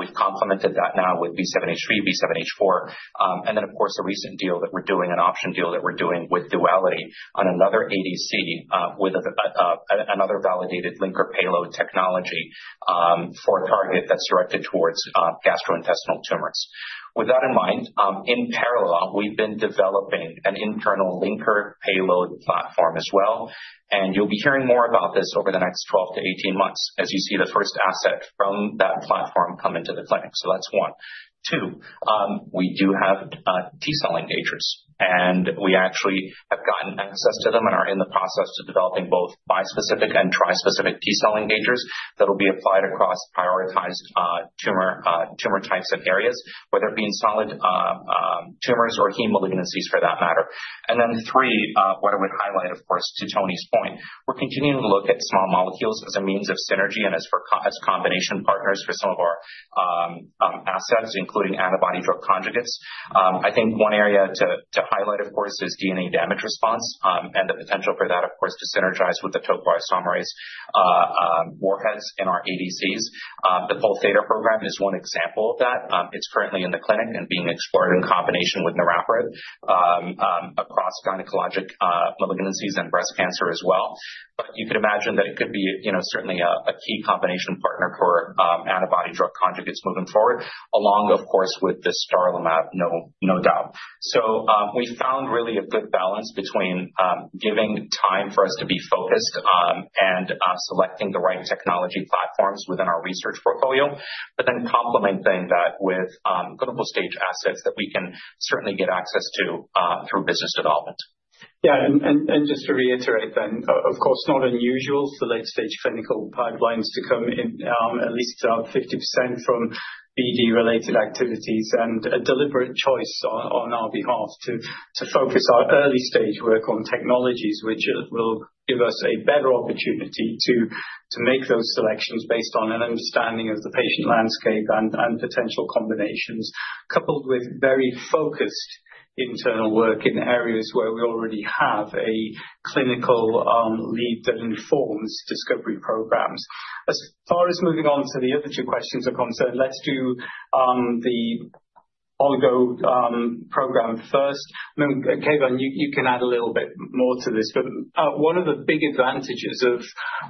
S4: We've complemented that now with B7-H3, B7-H4. And then, of course, a recent deal that we're doing, an option deal that we're doing with Duality on another ADC with another validated linker payload technology for a target that's directed towards gastrointestinal tumors. With that in mind, in parallel, we've been developing an internal linker payload platform as well. And you'll be hearing more about this over the next 12 to 18 months as you see the first asset from that platform come into the clinic. So that's one. Two, we do have T-cell engagers. We actually have gotten access to them and are in the process of developing both bispecific and trispecific T-cell engagers that will be applied across prioritized tumor types and areas, whether it be in solid tumors or hematologic malignancies for that matter. Then three, what I would highlight, of course, to Tony's point, we're continuing to look at small molecules as a means of synergy and as combination partners for some of our assets, including antibody-drug conjugates. I think one area to highlight, of course, is DNA damage response and the potential for that, of course, to synergize with the topoisomerase warheads in our ADCs. The Pol-theta program is one example of that. It's currently in the clinic and being explored in combination with Niraparib across gynecologic malignancies and breast cancer as well. But you could imagine that it could be certainly a key combination partner for antibody-drug conjugates moving forward, along, of course, with the dostarlimab, no doubt. So we found really a good balance between giving time for us to be focused and selecting the right technology platforms within our research portfolio, but then complementing that with clinical stage assets that we can certainly get access to through business development.
S2: Yeah, and just to reiterate then, of course, not unusual for late-stage clinical pipelines to come in at least 50% from BD-related activities and a deliberate choice on our behalf to focus our early-stage work on technologies, which will give us a better opportunity to make those selections based on an understanding of the patient landscape and potential combinations, coupled with very focused internal work in areas where we already have a clinical lead that informs discovery programs. As far as moving on to the other two questions are concerned, let's do the oligo program first. I mean, Kaivan, you can add a little bit more to this, but one of the big advantages of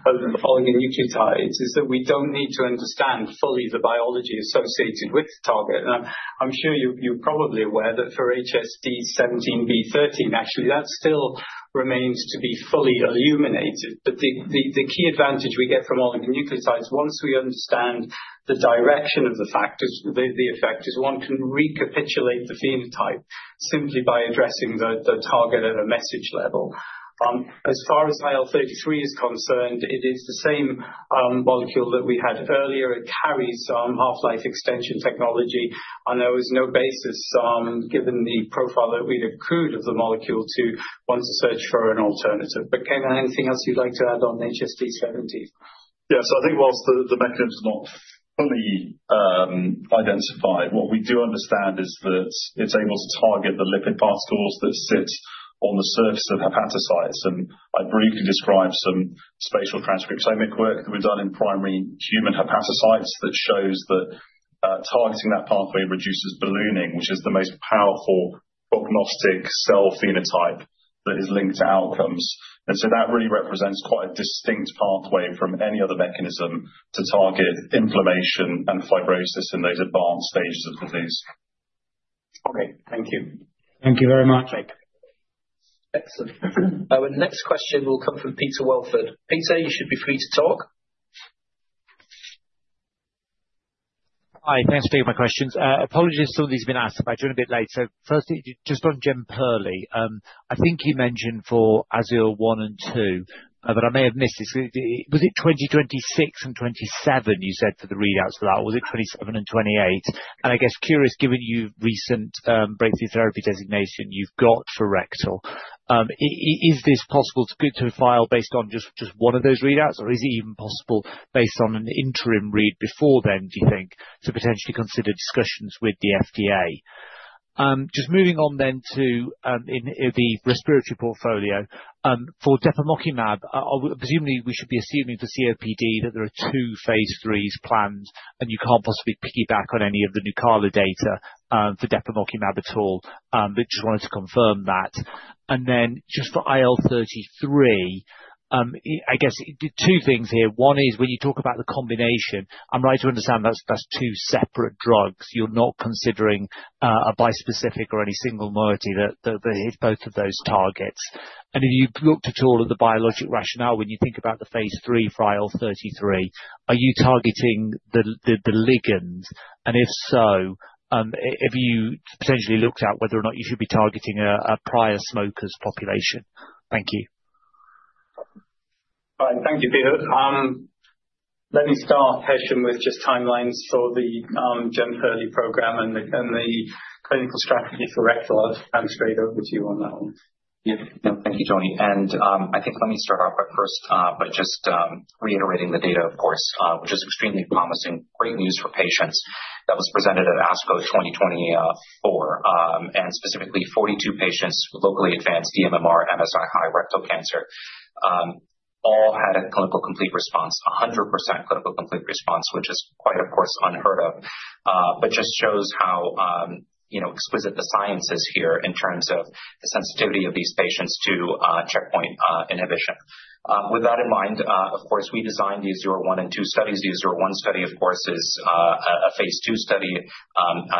S2: oligonucleotides is that we don't need to understand fully the biology associated with the target, and I'm sure you're probably aware that for HSD17B13, actually, that still remains to be fully illuminated, but the key advantage we get from oligonucleotides, once we understand the direction of the factors, the effect is one can recapitulate the phenotype simply by addressing the target at a message level. As far as IL-33 is concerned, it is the same molecule that we had earlier. It carries half-life extension technology, and there was no basis, given the profile that we'd accrued of the molecule, to want to search for an alternative. But Kaivan, anything else you'd like to add on HSD17?
S5: Yeah, so I think whilst the mechanism not fully identified, what we do understand is that it's able to target the lipid particles that sit on the surface of hepatocytes. And I briefly described some spatial transcriptomics work that we've done in primary human hepatocytes that shows that targeting that pathway reduces ballooning, which is the most powerful prognostic cell phenotype that is linked to outcomes. And so that really represents quite a distinct pathway from any other mechanism to target inflammation and fibrosis in those advanced stages of disease.
S8: All right. Thank you. Thank you very much. Excellent.
S1: Our next question will come from Peter Wellford. Peter, you should be free to talk.
S9: Hi, thanks for taking my questions. Apologies if some of these have been asked, but I joined a bit late. Firstly, just on Jemperli, I think you mentioned for AZUR-1 and AZUR-2, but I may have missed this. Was it 2026 and 2027, you said, for the readouts for that? Or was it 2027 and 2028? I guess, curious, given your recent breakthrough therapy designation you've got for rectal, is this possible to file based on just one of those readouts, or is it even possible based on an interim read before then, do you think, to potentially consider discussions with the FDA? Just moving on then to the respiratory portfolio. For depemokimab, presumably, we should be assuming for COPD that there are two phase IIIs planned, and you can't possibly piggyback on any of the NUCALA data for depemokimab at all. But just wanted to confirm that. Then just for IL-33, I guess two things here. One is when you talk about the combination, I'm right to understand that's two separate drugs. You're not considering a bispecific or any single modality that hit both of those targets. And if you looked at all of the biologic rationale, when you think about the phase III for IL-33, are you targeting the ligands? And if so, have you potentially looked at whether or not you should be targeting a prior smoker's population? Thank you.
S2: All right. Thank you, Peter. Let me start, Hesham, with just timelines for the Jemperli program and the clinical strategy for rectal. I'll hand straight over to you on that one.
S4: Yeah. No, thank you, Tony. And I think let me start off by just reiterating the data, of course, which is extremely promising, great news for patients. That was presented at ASCO 2024, and specifically 42 patients with locally advanced dMMR/MSI-H rectal cancer all had a clinical complete response, 100% clinical complete response, which is quite, of course, unheard of, but just shows how exquisite the science is here in terms of the sensitivity of these patients to checkpoint inhibition. With that in mind, of course, we designed the AZUR-1 and AZUR-2 studies. The AZUR-1 study, of course, is a phase II study.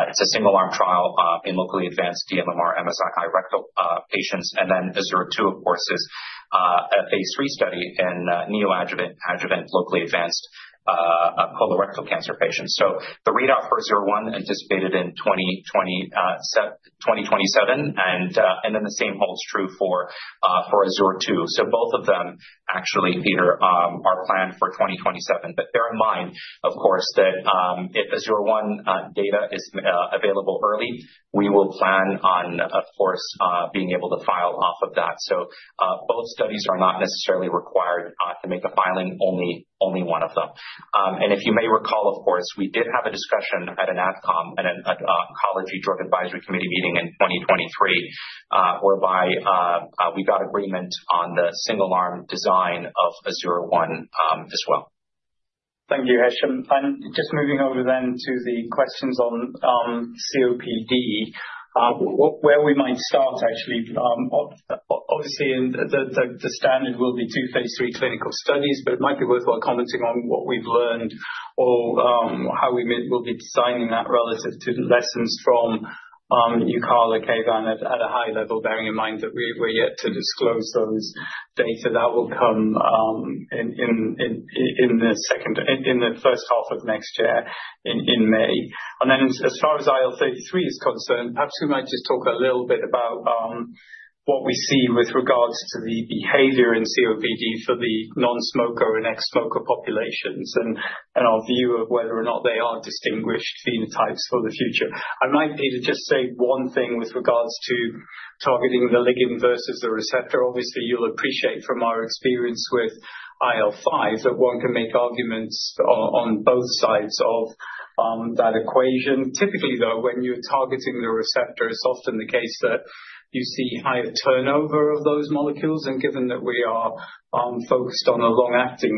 S4: It's a single-arm trial in locally advanced dMMR/MSI-H rectal patients. And then AZUR-2, of course, is a phase III study in neoadjuvant locally advanced colorectal cancer patients. So the readout for AZUR-1 anticipated in 2027. And then the same holds true for AZUR-2. So both of them, actually, Peter, are planned for 2027. Bear in mind, of course, that if AZUR-1 data is available early, we will plan on, of course, being able to file off of that. So both studies are not necessarily required to make a filing, only one of them. If you may recall, of course, we did have a discussion at an ADCOM, an Oncology Drug Advisory Committee meeting in 2023, whereby we got agreement on the single-arm design of AZUR-1 as well.
S2: Thank you, Hesham. Just moving over then to the questions on COPD, where we might start, actually. Obviously, the standard will be two phase III clinical studies, but it might be worthwhile commenting on what we've learned or how we will be designing that relative to lessons from NUCALA, Kaivan, at a high level, bearing in mind that we're yet to disclose those data. That will come in the first half of next year in May. And then as far as IL-33 is concerned, perhaps we might just talk a little bit about what we see with regards to the behavior in COPD for the non-smoker and ex-smoker populations and our view of whether or not they are distinguished phenotypes for the future. I might, Peter, just say one thing with regards to targeting the ligand versus the receptor. Obviously, you'll appreciate from our experience with IL-5 that one can make arguments on both sides of that equation. Typically, though, when you're targeting the receptor, it's often the case that you see higher turnover of those molecules. And given that we are focused on a long-acting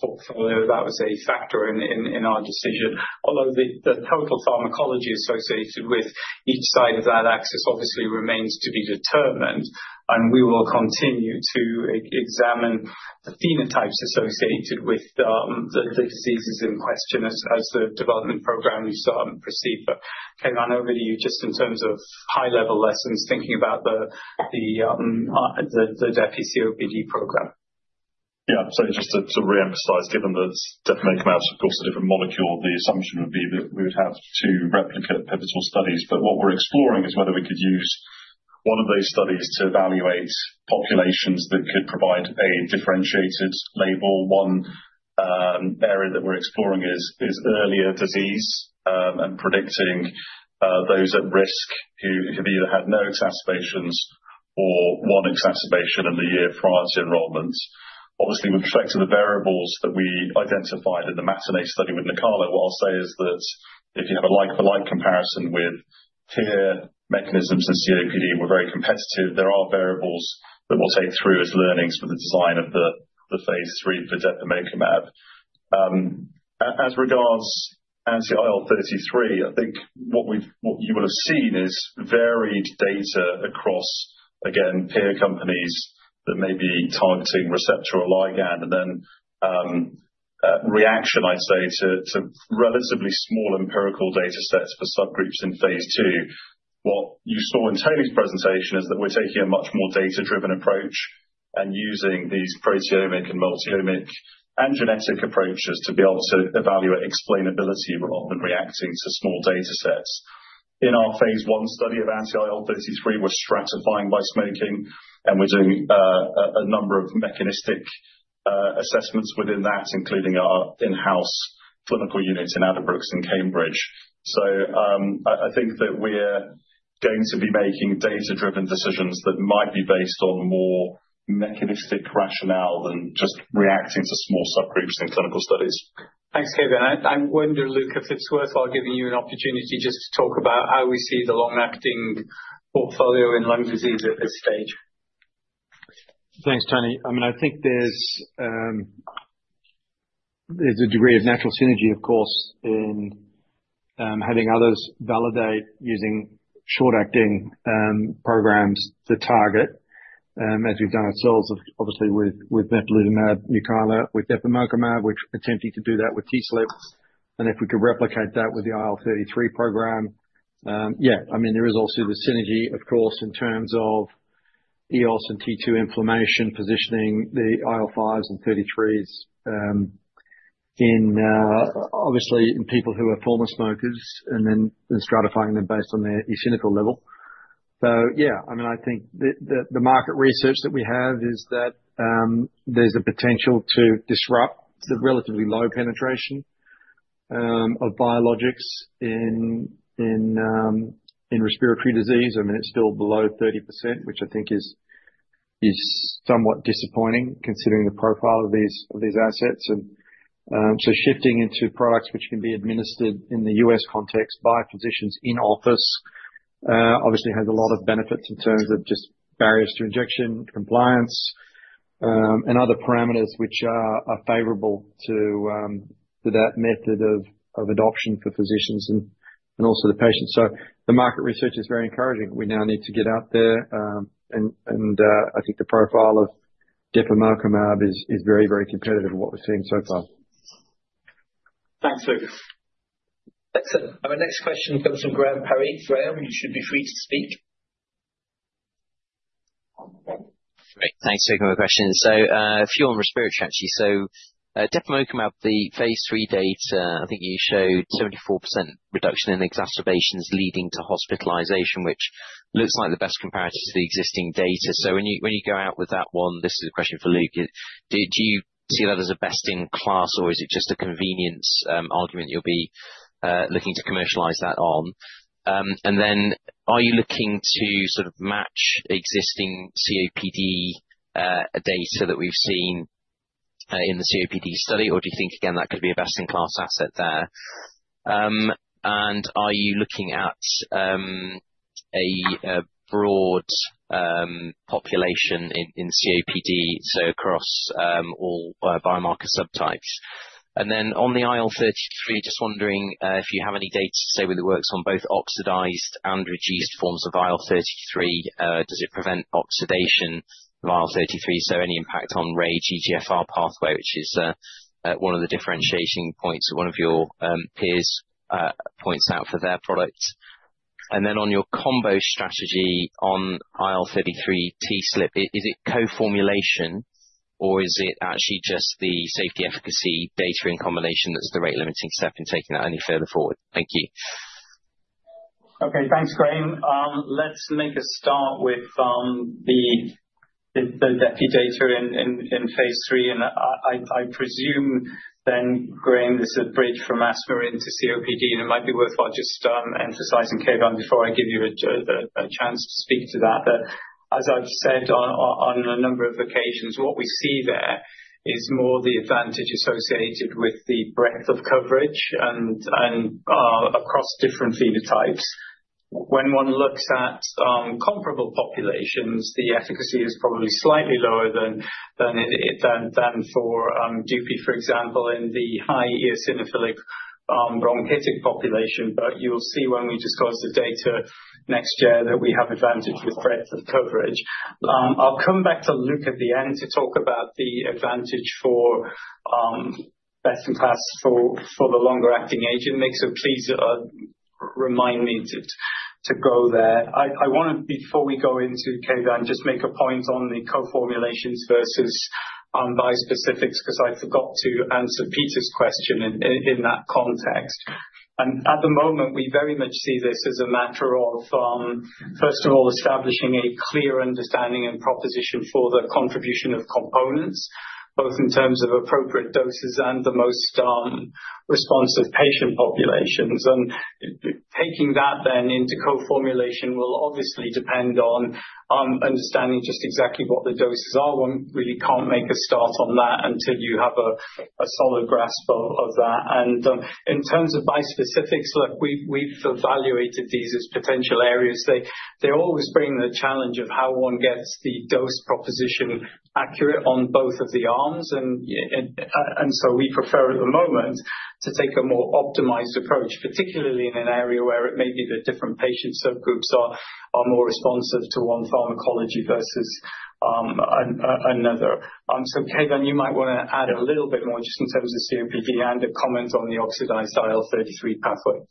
S2: portfolio, that was a factor in our decision. Although the total pharmacology associated with each side of that axis obviously remains to be determined. We will continue to examine the phenotypes associated with the diseases in question as the development programs proceed. Kaivan, over to you just in terms of high-level lessons, thinking about the depemokimab-COPD program.
S5: Yeah. Just to reemphasize, given that it's definitely come out, of course, a different molecule, the assumption would be that we would have two replicate pivotal studies. What we're exploring is whether we could use one of those studies to evaluate populations that could provide a differentiated label. One area that we're exploring is earlier disease and predicting those at risk who have either had no exacerbations or one exacerbation in the year prior to enrollment. Obviously, with respect to the variables that we identified in the MATINEE study with NUCALA, what I'll say is that if you have a like-for-like comparison with T2R mechanisms and COPD, we're very competitive. There are variables that we'll take through as learnings for the design of the phase III for depemokimab. As regards anti-IL-33, I think what you will have seen is varied data across, again, peer companies that may be targeting receptor or ligand, and then reaction, I'd say, to relatively small empirical data sets for subgroups in phase II. What you saw in Tony's presentation is that we're taking a much more data-driven approach and using these proteomic and multiomic and genetic approaches to be able to evaluate explainability of reacting to small data sets. In our phase one study of anti-IL-33, we're stratifying by smoking, and we're doing a number of mechanistic assessments within that, including our in-house clinical unit in Addenbrooke's in Cambridge. So I think that we're going to be making data-driven decisions that might be based on more mechanistic rationale than just reacting to small subgroups in clinical studies.
S2: Thanks, Kaivan. I wonder, Luke, if it's worthwhile giving you an opportunity just to talk about how we see the long-acting portfolio in lung disease at this stage.
S7: Thanks, Tony. I mean, I think there's a degree of natural synergy, of course, in having others validate using short-acting programs to target, as we've done ourselves, obviously, with Nefaludomab, NUCALA, with depemokimab, which attempted to do that with TSLP. And if we could replicate that with the IL-33 program, yeah. I mean, there is also the synergy, of course, in terms of EOS and T2 inflammation positioning the IL-5s and 33s in, obviously, in people who are former smokers and then stratifying them based on their eosinophil level. So yeah, I mean, I think the market research that we have is that there's a potential to disrupt the relatively low penetration of biologics in respiratory disease. I mean, it's still below 30%, which I think is somewhat disappointing considering the profile of these assets. And so shifting into products which can be administered in the U.S. context by physicians in office obviously has a lot of benefits in terms of just barriers to injection, compliance, and other parameters which are favorable to that method of adoption for physicians and also the patients. So the market research is very encouraging. We now need to get out there. And I think the profile of depemokimab is very, very competitive of what we're seeing so far.
S9: Thanks, Luke. Excellent.
S1: Our next question comes from Graham Parry. Graham, you should be free to speak. Great. Thanks for your question.
S10: Full and respiratory, actually. Depemokimab, the phase III data, I think you showed 74% reduction in exacerbations leading to hospitalization, which looks like the best comparator to the existing data. When you go out with that one, this is a question for Luke. Do you see that as a best-in-class, or is it just a convenience argument you'll be looking to commercialize that on? And then are you looking to sort of match existing COPD data that we've seen in the COPD study, or do you think, again, that could be a best-in-class asset there? And are you looking at a broad population in COPD, so across all biomarker subtypes? And then on the IL-33, just wondering if you have any data to say whether it works on both oxidized and reduced forms of IL-33. Does it prevent oxidation of IL-33? So any impact on RAGE EGFR pathway, which is one of the differentiating points that one of your peers points out for their product. And then on your combo strategy on IL-33 TSLP, is it co-formulation, or is it actually just the safety efficacy data in combination that's the rate-limiting step in taking that any further forward? Thank you.
S2: Okay. Thanks, Graham. Let's make a start with the Depi data in phase III. And I presume then, Graham, this is a bridge from asthma to COPD, and it might be worthwhile just emphasizing, Kaivan, before I give you a chance to speak to that, that as I've said on a number of occasions, what we see there is more the advantage associated with the breadth of coverage and across different phenotypes. When one looks at comparable populations, the efficacy is probably slightly lower than for Dupi, for example, in the high eosinophilic bronchitic population. But you'll see when we disclose the data next year that we have advantage with breadth of coverage. I'll come back to Luke at the end to talk about the advantage for best-in-class for the longer-acting agent mix. So please remind me to go there. I want to, before we go into Kaivan, just make a point on the co-formulations versus bispecifics because I forgot to answer Peter's question in that context, and at the moment, we very much see this as a matter of, first of all, establishing a clear understanding and proposition for the contribution of components, both in terms of appropriate doses and the most responsive patient populations. Taking that then into co-formulation will obviously depend on understanding just exactly what the doses are. One really can't make a start on that until you have a solid grasp of that. In terms of bispecifics, look, we've evaluated these as potential areas. They always bring the challenge of how one gets the dose proposition accurate on both of the arms. So we prefer, at the moment, to take a more optimized approach, particularly in an area where it may be that different patient subgroups are more responsive to one pharmacology versus another. So Kaivan, you might want to add a little bit more just in terms of COPD and a comment on the oxidized IL-33 pathway.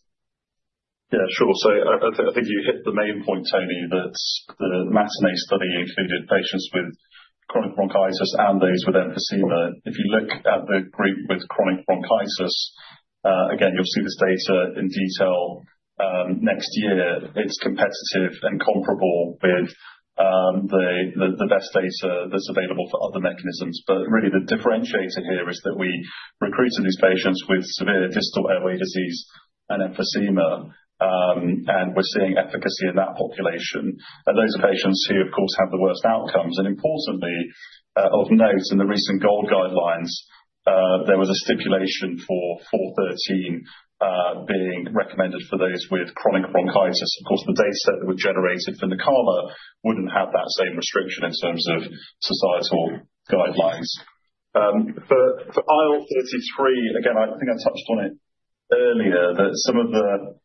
S5: Yeah, sure. So I think you hit the main point, Tony, that the MATINEE study included patients with chronic bronchitis and those with emphysema. If you look at the group with chronic bronchitis, again, you'll see this data in detail next year. It's competitive and comparable with the best data that's available for other mechanisms, but really, the differentiator here is that we recruited these patients with severe distal airway disease and emphysema, and we're seeing efficacy in that population, and those are patients who, of course, have the worst outcomes, and importantly, of note, in the recent GOLD guidelines, there was a stipulation for IL-13 being recommended for those with chronic bronchitis. Of course, the data set that was generated for NUCALA wouldn't have that same restriction in terms of societal guidelines. For IL-33, again, I think I touched on it earlier, that some of the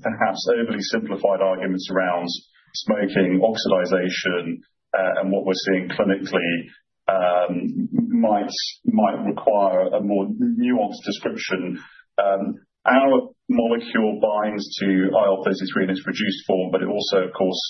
S5: perhaps overly simplified arguments around smoking, oxidation, and what we're seeing clinically might require a more nuanced description. Our molecule binds to IL-33 in its reduced form, but it also, of course,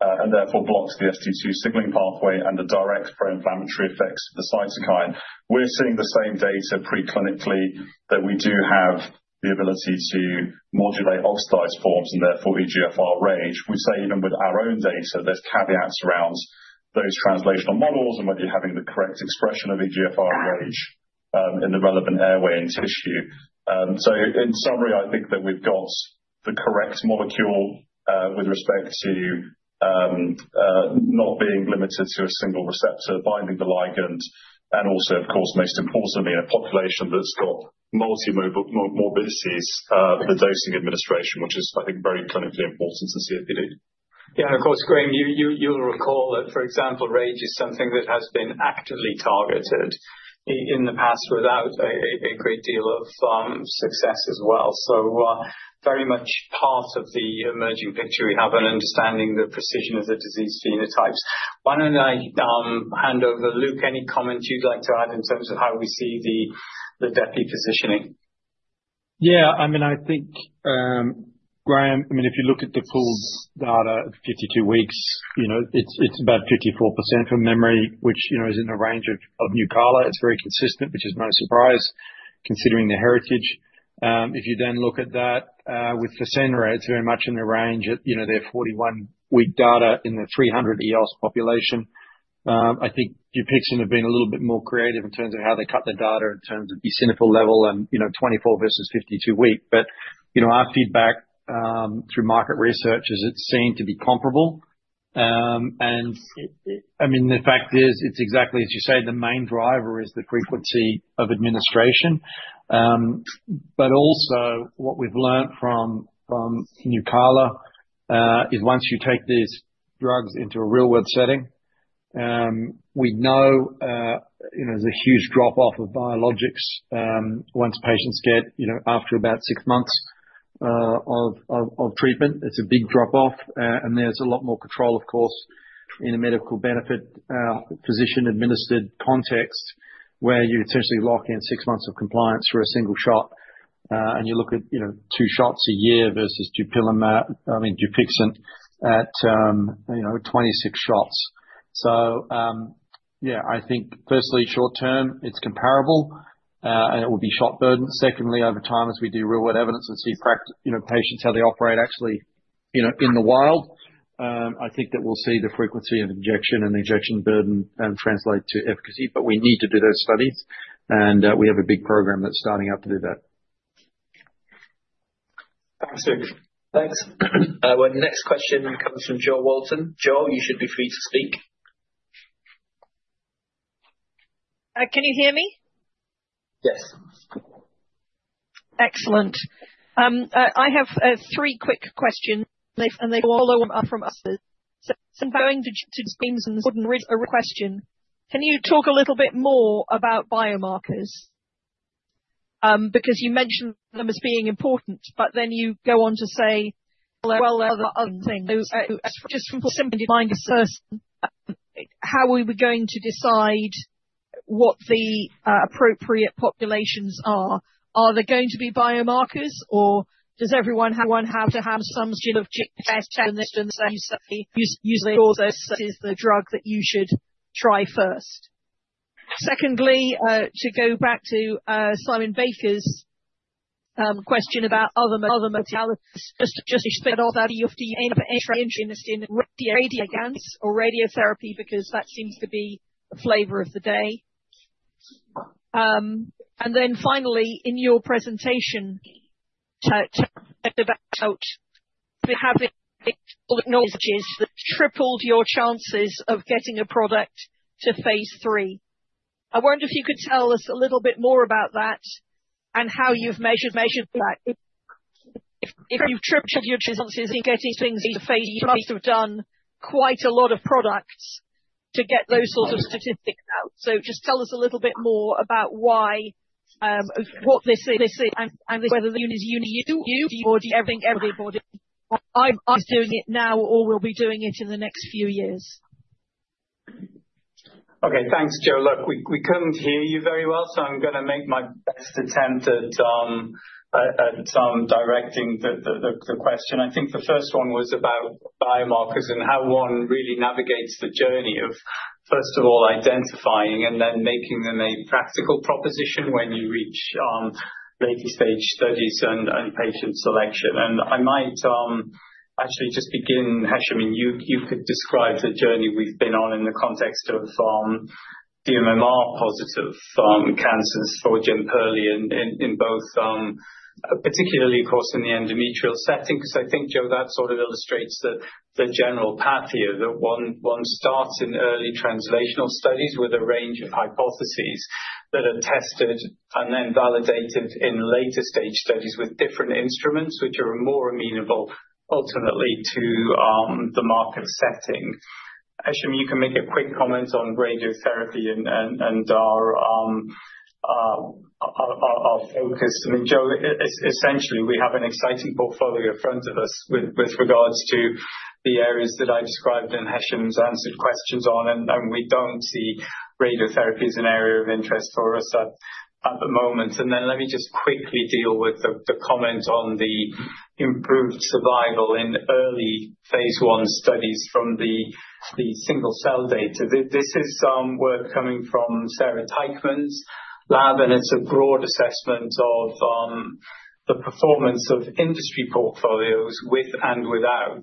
S5: and therefore blocks the ST2 signaling pathway and the direct pro-inflammatory effects of the cytokine. We're seeing the same data preclinically that we do have the ability to modulate oxidized forms and therefore EGFR and RAGE. We say even with our own data, there's caveats around those translational models and whether you're having the correct expression of EGFR and RAGE in the relevant airway and tissue. So in summary, I think that we've got the correct molecule with respect to not being limited to a single receptor binding the ligand. And also, of course, most importantly, in a population that's got multi-morbidities, the dosing administration, which is, I think, very clinically important in COPD.
S2: Yeah. Of course, Graham, you'll recall that, for example, RAGE is something that has been actively targeted in the past without a great deal of success as well, so very much part of the emerging picture we have and understanding the precision of the disease phenotypes. Why don't I hand over to Luke any comment you'd like to add in terms of how we see the depemokimab positioning?
S7: Yeah. I mean, I think, Graham, I mean, if you look at the pooled data of 52 weeks, it's about 54% from memory, which is in the range of NUCALA. It's very consistent, which is no surprise considering the heritage. If you then look at that with Fasenra, it's very much in the range at their 41-week data in the 300 EOS population. I think Dupixent has been a little bit more creative in terms of how they cut the data in terms of eosinophil level and 24 versus 52 week, but our feedback through market research is it's seen to be comparable. And I mean, the fact is, it's exactly as you say, the main driver is the frequency of administration, but also, what we've learned from NUCALA is once you take these drugs into a real-world setting, we know there's a huge drop-off of biologics once patients get after about six months of treatment. It's a big drop-off, and there's a lot more control, of course, in a medical benefit physician-administered context where you essentially lock in six months of compliance for a single shot. And you look at two shots a year versus I mean, Dupixent at 26 shots. So yeah, I think, firstly, short-term, it's comparable, and it will be shorter burden. Secondly, over time, as we do real-world evidence and see patients, how they operate actually in the wild, I think that we'll see the frequency of injection and the injection burden translate to efficacy. But we need to do those studies. And we have a big program that's starting out to do that.
S10: Thanks, Luke. Thanks.
S1: Our next question comes from Jo Walton. Jo, you should be free to speak.
S11: Can you hear me? Yes. Excellent. I have three quick questions, and they all are from us. So some going to James and Tony's question. Can you talk a little bit more about biomarkers? Because you mentioned them as being important, but then you go on to say, well, other things. Just from a simple mind first, how are we going to decide what the appropriate populations are? Are there going to be biomarkers, or does everyone have to have some genetic test? And then you say, usually, this is the drug that you should try first. Secondly, to go back to Simon Baker's question about other modalities, just to spitball that you have to be interested in radioligands or radiotherapy because that seems to be the flavor of the day. And then finally, in your presentation about having knowledge that tripled your chances of getting a product to phase III. I wonder if you could tell us a little bit more about that and how you've measured that. If you've tripled your chances in getting things to phase, you must have done quite a lot of products to get those sorts of statistics out. So just tell us a little bit more about why what this is and whether the unit is uni-everybody is doing it now or will be doing it in the next few years.
S2: Okay. Thanks, Jo. Look, we couldn't hear you very well, so I'm going to make my best attempt at directing the question. I think the first one was about biomarkers and how one really navigates the journey of, first of all, identifying and then making them a practical proposition when you reach late-stage studies and patient selection. And I might actually just begin, Hesham. You could describe the journey we've been on in the context of dMMR-positive cancers for Jemperli in both, particularly, of course, in the endometrial setting. Because I think, Jo, that sort of illustrates the general path here that one starts in early translational studies with a range of hypotheses that are tested and then validated in later-stage studies with different instruments, which are more amenable ultimately to the market setting. Hesham, you can make a quick comment on radiotherapy and our focus. I mean, Jo, essentially, we have an exciting portfolio in front of us with regards to the areas that I described and Hesham's answered questions on. And we don't see radiotherapy as an area of interest for us at the moment. And then let me just quickly deal with the comment on the improved survival in early phase one studies from the single-cell data. This is work coming from Sarah Teichmann's lab, and it's a broad assessment of the performance of industry portfolios with and without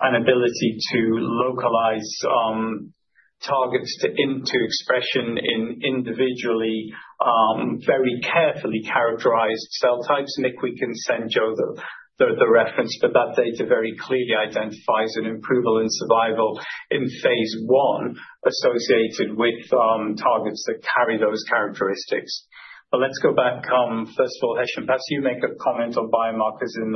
S2: an ability to localize targets into expression in individually very carefully characterized cell types. Nick, we can send Jo the reference, but that data very clearly identifies an improvement in survival in phase one associated with targets that carry those characteristics. But let's go back. First of all, Hesham, perhaps you make a comment on biomarkers in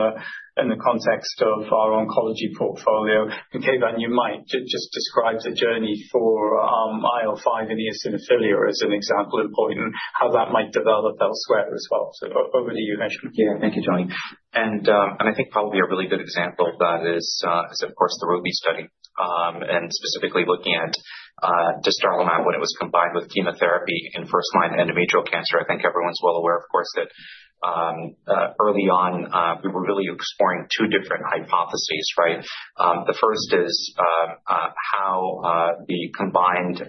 S2: the context of our oncology portfolio. And Kaivan, you might just describe the journey for IL-5 in eosinophilia as an example of how that might develop elsewhere as well. So over to you, Hesham.
S4: Yeah. Thank you, Tony. And I think probably a really good example of that is, of course, the RUBY study and specifically looking at dostarlimab when it was combined with chemotherapy in first-line endometrial cancer. I think everyone's well aware, of course, that early on, we were really exploring two different hypotheses, right? The first is how the combined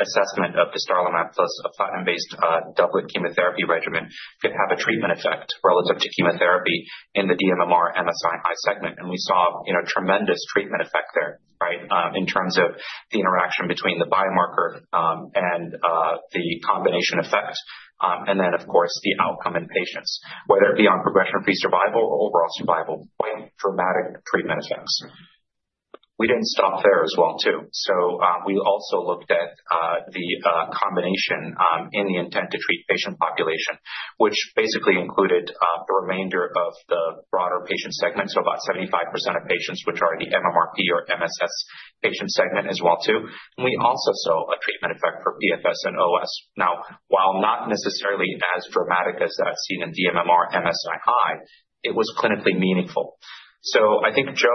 S4: assessment of dostarlimab plus a platinum-based doublet chemotherapy regimen could have a treatment effect relative to chemotherapy in the dMMR/MSI-H segment. And we saw tremendous treatment effect there, right, in terms of the interaction between the biomarker and the combination effect. And then, of course, the outcome in patients, whether it be on progression-free survival or overall survival, quite dramatic treatment effects. We didn't stop there as well, too. So we also looked at the combination in the intent to treat patient population, which basically included the remainder of the broader patient segment, so about 75% of patients, which are the pMMR/MSS patient segment as well, too. And we also saw a treatment effect for PFS and OS. Now, while not necessarily as dramatic as that seen in dMMR/MSI, it was clinically meaningful. So I think, Jo,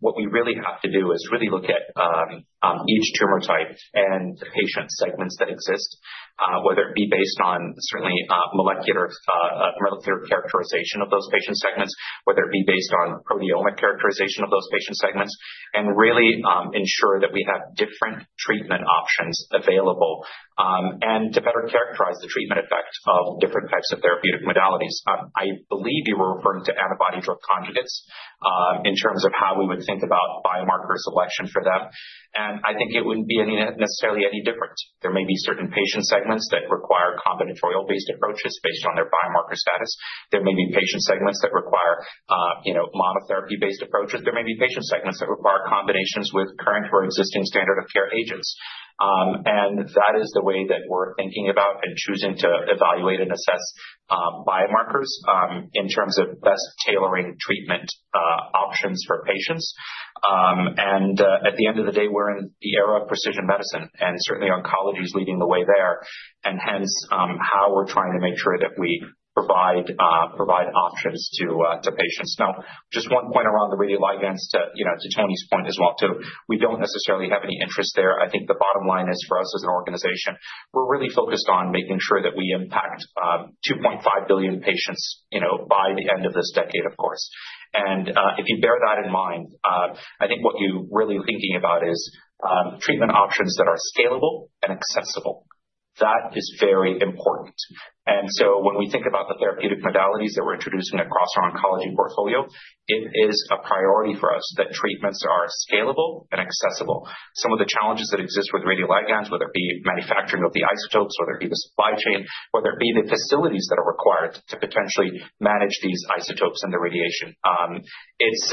S4: what we really have to do is really look at each tumor type and the patient segments that exist, whether it be based on certainly molecular characterization of those patient segments, whether it be based on proteomic characterization of those patient segments, and really ensure that we have different treatment options available and to better characterize the treatment effect of different types of therapeutic modalities. I believe you were referring to antibody-drug conjugates in terms of how we would think about biomarker selection for them, and I think it wouldn't be necessarily any different. There may be certain patient segments that require combinatorial-based approaches based on their biomarker status. There may be patient segments that require monotherapy-based approaches. There may be patient segments that require combinations with current or existing standard of care agents. And that is the way that we're thinking about and choosing to evaluate and assess biomarkers in terms of best tailoring treatment options for patients. And at the end of the day, we're in the era of precision medicine, and certainly oncology is leading the way there. And hence, how we're trying to make sure that we provide options to patients. Now, just one point around the radioligands to Tony's point as well, too. We don't necessarily have any interest there. I think the bottom line is for us as an organization, we're really focused on making sure that we impact 2.5 billion patients by the end of this decade, of course. And if you bear that in mind, I think what you're really thinking about is treatment options that are scalable and accessible. That is very important. And so when we think about the therapeutic modalities that we're introducing across our oncology portfolio, it is a priority for us that treatments are scalable and accessible. Some of the challenges that exist with radioligands, whether it be manufacturing of the isotopes, whether it be the supply chain, whether it be the facilities that are required to potentially manage these isotopes and the radiation, it's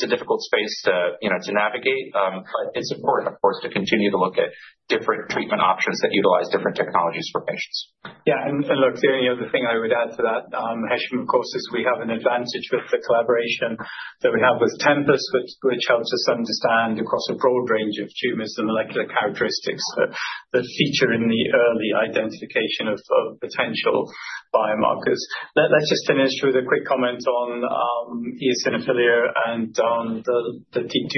S4: a difficult space to navigate. But it's important, of course, to continue to look at different treatment options that utilize different technologies for patients.
S2: Yeah. And look, the only other thing I would add to that, Hesham, of course, is we have an advantage with the collaboration that we have with Tempus, which helps us understand across a broad range of tumors and molecular characteristics that feature in the early identification of potential biomarkers. Let's just finish with a quick comment on eosinophilia and the T2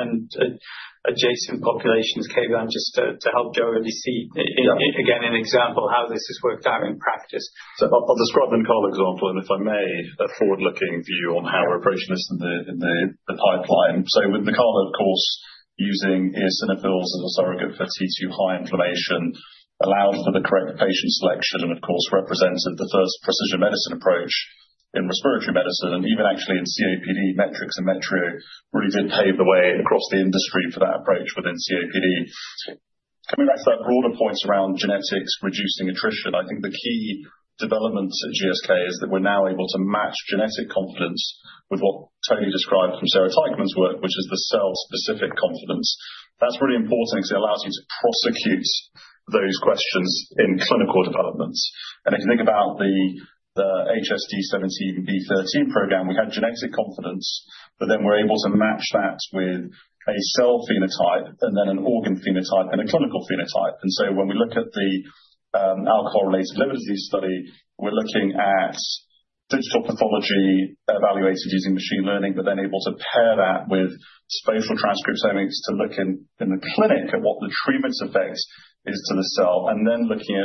S2: and adjacent populations, Kaivan, just to help Jo see, again, an example of how this has worked out in practice.
S5: I'll describe the NUCALA example, and if I may, a forward-looking view on how we're approaching this in the pipeline. With NUCALA, of course, using eosinophils as a surrogate for T2 high inflammation allowed for the correct patient selection and, of course, represented the first precision medicine approach in respiratory medicine and even actually in COPD metrics, and it really did pave the way across the industry for that approach within COPD. Coming back to that broader point around genetics reducing attrition, I think the key development at GSK is that we're now able to match genetic confidence with what Tony described from Sarah Teichmann's work, which is the cell-specific confidence. That's really important because it allows you to prosecute those questions in clinical developments. And if you think about the HSD17B13 program, we had genetic confidence, but then we're able to match that with a cell phenotype and then an organ phenotype and a clinical phenotype. And so when we look at the alcohol-related liver disease study, we're looking at digital pathology evaluated using machine learning, but then able to pair that with spatial transcriptomics to look in the clinic at what the treatment effect is to the cell, and then looking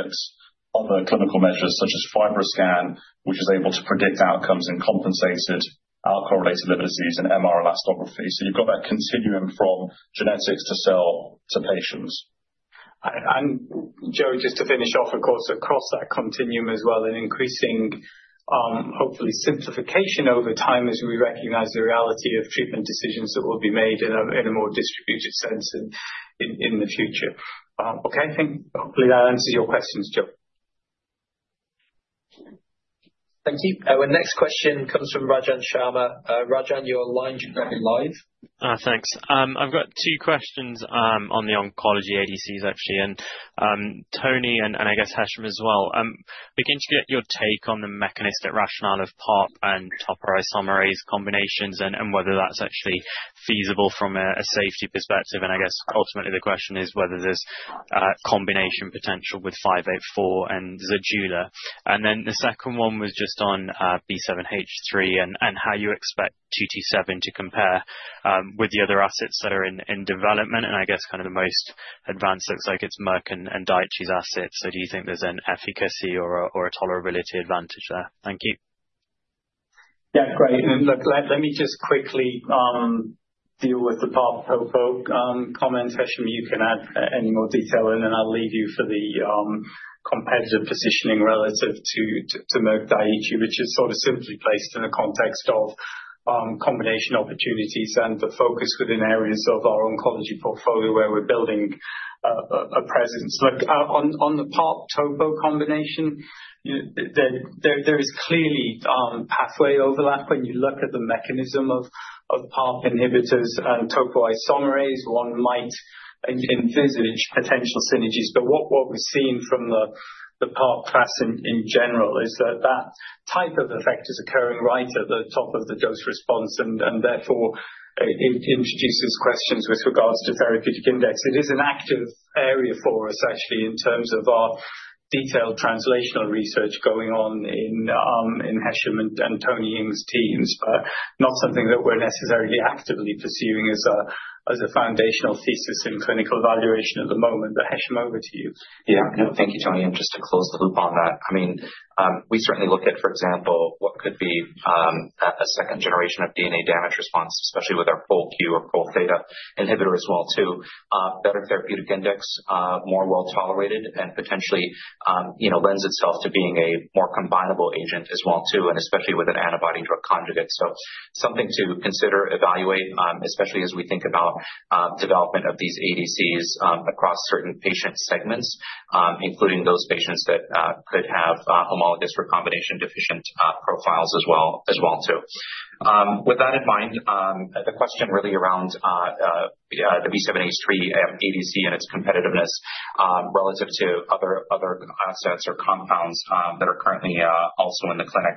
S5: at other clinical measures such as FibroScan, which is able to predict outcomes in compensated alcohol-related liver disease and MR elastography. So you've got that continuum from genetics to cell to patients.
S2: And Jo, just to finish off, of course, across that continuum as well, and increasing, hopefully, simplification over time as we recognize the reality of treatment decisions that will be made in a more distributed sense in the future. Okay. I think hopefully that answers your questions, Jo.
S1: Thank you. Our next question comes from Rajan Sharma. Rajan, your line should be coming live.
S12: Thanks. I've got two questions on the oncology ADCs, actually, and Tony, and I guess Hesham as well. Begin to get your take on the mechanistic rationale of PARP and topoisomerase inhibitor combinations and whether that's actually feasible from a safety perspective. And I guess ultimately the question is whether there's combination potential with 584 and ZEJULA. And then the second one was just on B7-H3 and how you expect 227 to compare with the other assets that are in development. I guess kind of the most advanced looks like it's Merck and Daiichi's assets. So do you think there's an efficacy or a tolerability advantage there? Thank you.
S2: Yeah. Great. And look, let me just quickly deal with the PARP combo comments. Hesham, you can add any more detail, and then I'll leave you for the competitive positioning relative to Merck-Daiichi, which is sort of simply put in the context of combination opportunities and the focus within areas of our oncology portfolio where we're building a presence. Look, on the PARP combo combination, there is clearly pathway overlap when you look at the mechanism of PARP inhibitors and topoisomerase inhibitors. One might envisage potential synergies, but what we've seen from the PARP class in general is that that type of effect is occurring right at the top of the dose response and therefore introduces questions with regards to therapeutic index. It is an active area for us, actually, in terms of our detailed translational research going on in Hesham and Tony Ying's teams, but not something that we're necessarily actively pursuing as a foundational thesis in clinical evaluation at the moment. But Hesham, over to you.
S4: Yeah. Thank you, Tony. And just to close the loop on that, I mean, we certainly look at, for example, what could be a second generation of DNA damage response, especially with our POLQ or Pol-theta inhibitor as well, too. Better therapeutic index, more well tolerated, and potentially lends itself to being a more combinable agent as well, too, and especially with an antibody-drug conjugate. So something to consider, evaluate, especially as we think about development of these ADCs across certain patient segments, including those patients that could have homologous or combination deficient profiles as well, too. With that in mind, the question really around the B7-H3 ADC and its competitiveness relative to other assets or compounds that are currently also in the clinic.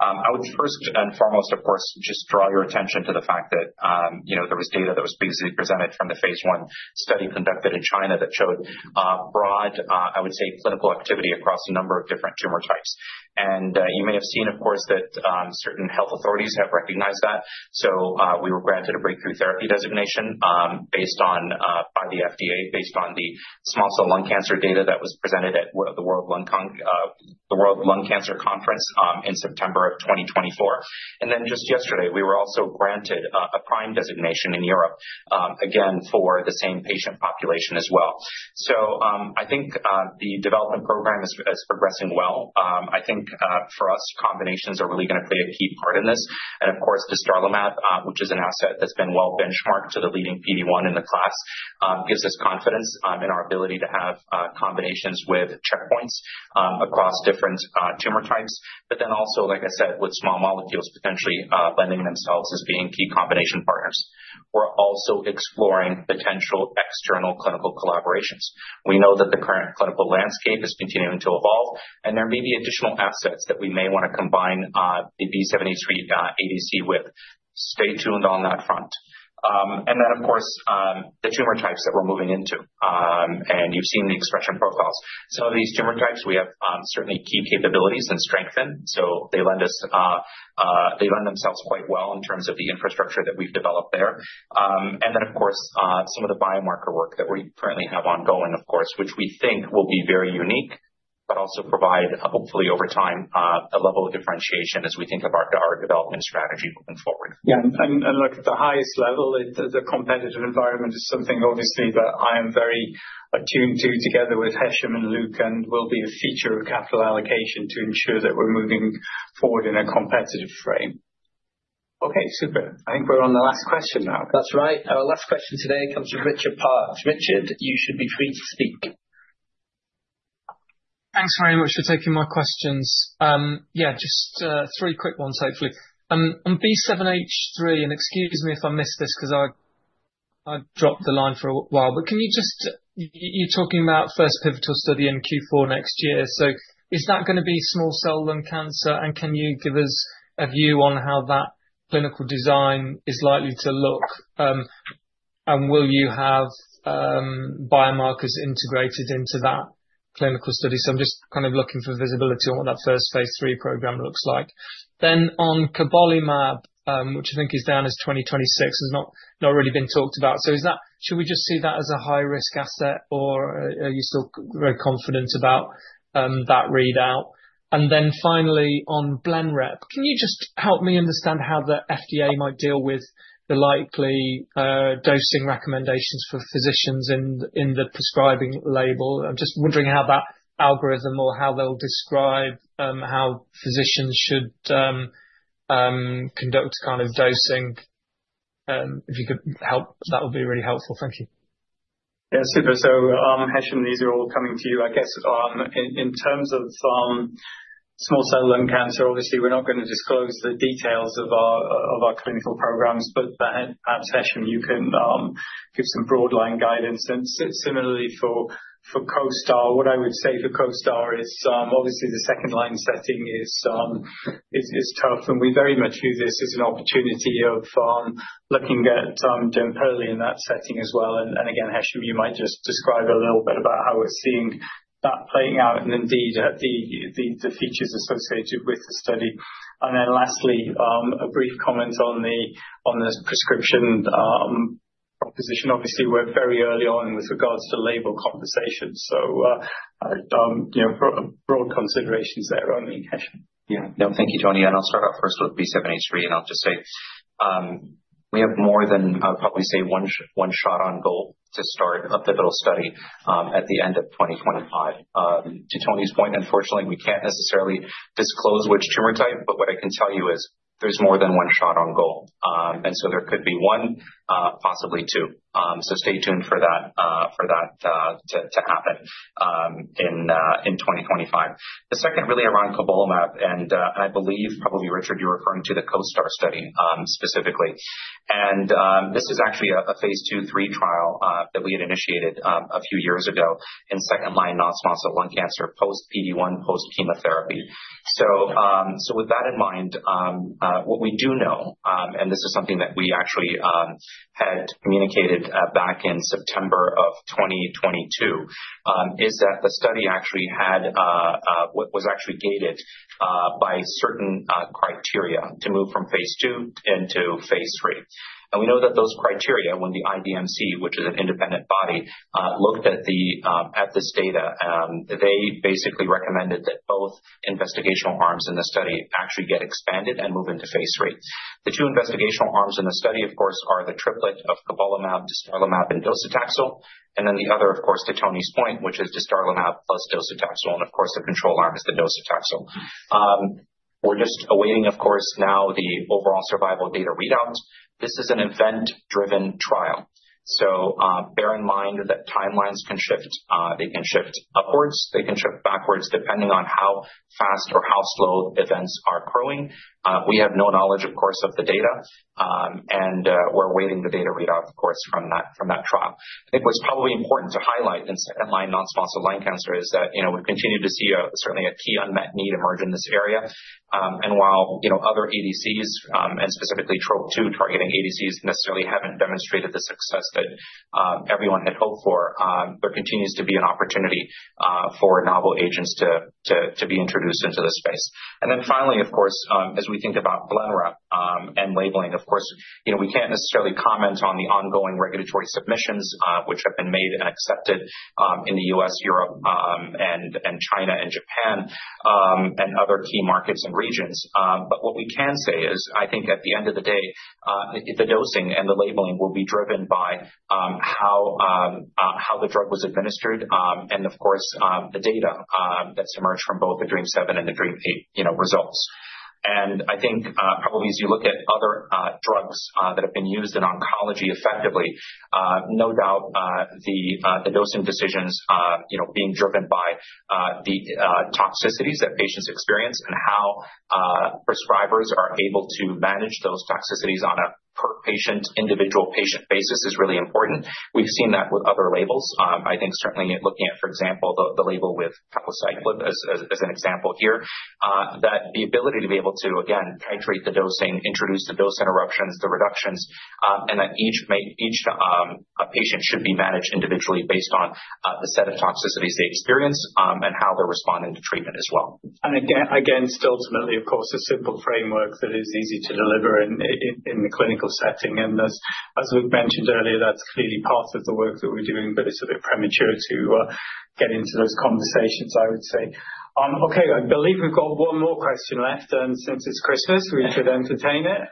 S4: I would first and foremost, of course, just draw your attention to the fact that there was data that was previously presented from the phase I study conducted in China that showed broad, I would say, clinical activity across a number of different tumor types, and you may have seen, of course, that certain health authorities have recognized that. So we were granted a breakthrough therapy designation by the FDA based on the small cell lung cancer data that was presented at the World Lung Cancer Conference in September of 2024. And then just yesterday, we were also granted a prime designation in Europe, again, for the same patient population as well. So I think the development program is progressing well. I think for us, combinations are really going to play a key part in this. And of course, dostarlimab, which is an asset that's been well benchmarked to the leading PD-1 in the class, gives us confidence in our ability to have combinations with checkpoints across different tumor types, but then also, like I said, with small molecules potentially lending themselves as being key combination partners. We're also exploring potential external clinical collaborations. We know that the current clinical landscape is continuing to evolve, and there may be additional assets that we may want to combine the B7-H3 ADC with. Stay tuned on that front. And then, of course, the tumor types that we're moving into, and you've seen the expression profiles. Some of these tumor types, we have certainly key capabilities and strengths, so they lend themselves quite well in terms of the infrastructure that we've developed there. And then, of course, some of the biomarker work that we currently have ongoing, of course, which we think will be very unique, but also provide, hopefully, over time, a level of differentiation as we think about our development strategy moving forward.
S2: Yeah. Look, at the highest level, the competitive environment is something, obviously, that I am very attuned to together with Hesham and Luke and will be a feature of capital allocation to ensure that we're moving forward in a competitive frame.
S1: Okay. Super. I think we're on the last question now. That's right. Our last question today comes from Richard Parkes. Richard, you should be free to speak.
S13: Thanks very much for taking my questions. Yeah, just three quick ones, hopefully. On B7-H3, and excuse me if I missed this because I dropped the line for a while, but can you just—you're talking about first pivotal study in Q4 next year. So is that going to be small cell lung cancer? And can you give us a view on how that clinical design is likely to look? And will you have biomarkers integrated into that clinical study? So I'm just kind of looking for visibility on what that first phase III program looks like. Then on cobolimab, which I think is down as 2026, has not really been talked about. So should we just see that as a high-risk asset, or are you still very confident about that readout? And then finally, on Blenrep, can you just help me understand how the FDA might deal with the likely dosing recommendations for physicians in the prescribing label? I'm just wondering how that algorithm or how they'll describe how physicians should conduct kind of dosing. If you could help, that would be really helpful. Thank you.
S2: Yeah. Super. So Hesham, these are all coming to you, I guess. In terms of small cell lung cancer, obviously, we're not going to disclose the details of our clinical programs, but perhaps, Hesham, you can give some broad line guidance. Similarly for CoSTAR, what I would say for CoSTAR is obviously the second line setting is tough, and we very much view this as an opportunity of looking at dostarlimab in that setting as well. And again, Hesham, you might just describe a little bit about how we're seeing that playing out and indeed the features associated with the study. And then lastly, a brief comment on this prescription proposition. Obviously, we're very early on with regards to label conversation. So broad considerations there only, Hesham.
S4: Yeah. No, thank you, Tony. And I'll start off first with B7-H3, and I'll just say we have more than, I'll probably say, one shot on goal to start a pivotal study at the end of 2025. To Tony's point, unfortunately, we can't necessarily disclose which tumor type, but what I can tell you is there's more than one shot on goal. There could be one, possibly two. Stay tuned for that to happen in 2025. The second really around cobolimab, and I believe, probably, Richard, you're referring to the CoSTAR study specifically. This is actually a phase II, three trial that we had initiated a few years ago in second-line non-small cell lung cancer post PD-1, post chemotherapy. With that in mind, what we do know, and this is something that we actually had communicated back in September of 2022, is that the study actually had what was actually gated by certain criteria to move from phase II into phase III. We know that those criteria, when the IDMC, which is an independent body, looked at this data, they basically recommended that both investigational arms in the study actually get expanded and move into phase III. The two investigational arms in the study, of course, are the triplet of cobolimab, dostarlimab, and docetaxel. And then the other, of course, to Tony's point, which is dostarlimab plus docetaxel. And of course, the control arm is the docetaxel. We're just awaiting, of course, now the overall survival data readouts. This is an event-driven trial. So bear in mind that timelines can shift. They can shift upwards. They can shift backwards depending on how fast or how slow events are growing. We have no knowledge, of course, of the data, and we're awaiting the data readout, of course, from that trial. I think what's probably important to highlight in second-line non-small cell lung cancer is that we continue to see certainly a key unmet need emerge in this area. And while other ADCs, and specifically TROP2 targeting ADCs, necessarily haven't demonstrated the success that everyone had hoped for, there continues to be an opportunity for novel agents to be introduced into the space. And then finally, of course, as we think about Blenrep and labeling, of course, we can't necessarily comment on the ongoing regulatory submissions which have been made and accepted in the U.S., Europe, and China and Japan and other key markets and regions. But what we can say is, I think at the end of the day, the dosing and the labeling will be driven by how the drug was administered and, of course, the data that's emerged from both the DREAMM-7 and the DREAMM-8 results. I think probably as you look at other drugs that have been used in oncology effectively, no doubt the dosing decisions being driven by the toxicities that patients experience and how prescribers are able to manage those toxicities on a per-patient, individual patient basis is really important. We've seen that with other labels. I think certainly looking at, for example, the label with palbociclib as an example here, that the ability to be able to, again, titrate the dosing, introduce the dose interruptions, the reductions, and that each patient should be managed individually based on the set of toxicities they experience and how they're responding to treatment as well.
S2: And again, still ultimately, of course, a simple framework that is easy to deliver in the clinical setting. And as we've mentioned earlier, that's clearly part of the work that we're doing, but it's a bit premature to get into those conversations. I would say.
S1: Okay. I believe we've got one more question left, and since it's Christmas, we should entertain it.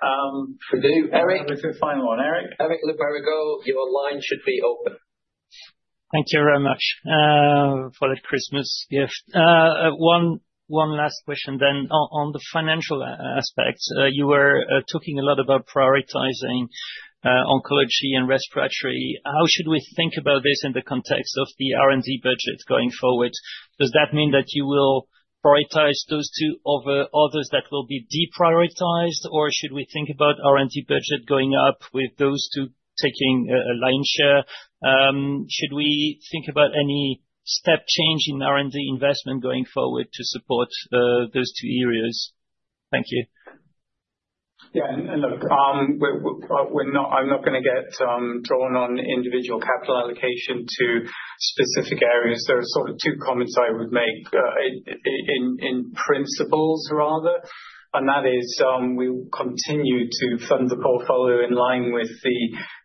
S2: We do. Eric. With your final one, Eric. Eric,
S1: Look where we go. Your line should be open. Thank you very much for the Christmas gift. One last question then. On the financial aspect, you were talking a lot about prioritizing oncology and respiratory. How should we think about this in the context of the R&D budget going forward? Does that mean that you will prioritize those two over others that will be deprioritized, or should we think about R&D budget going up with those two taking a lion's share? Should we think about any step change in R&D investment going forward to support those two areas? Thank you.
S2: Yeah, and look, I'm not going to get drawn on individual capital allocation to specific areas. There are sort of two comments I would make in principle rather, and that is we will continue to fund the portfolio in line with the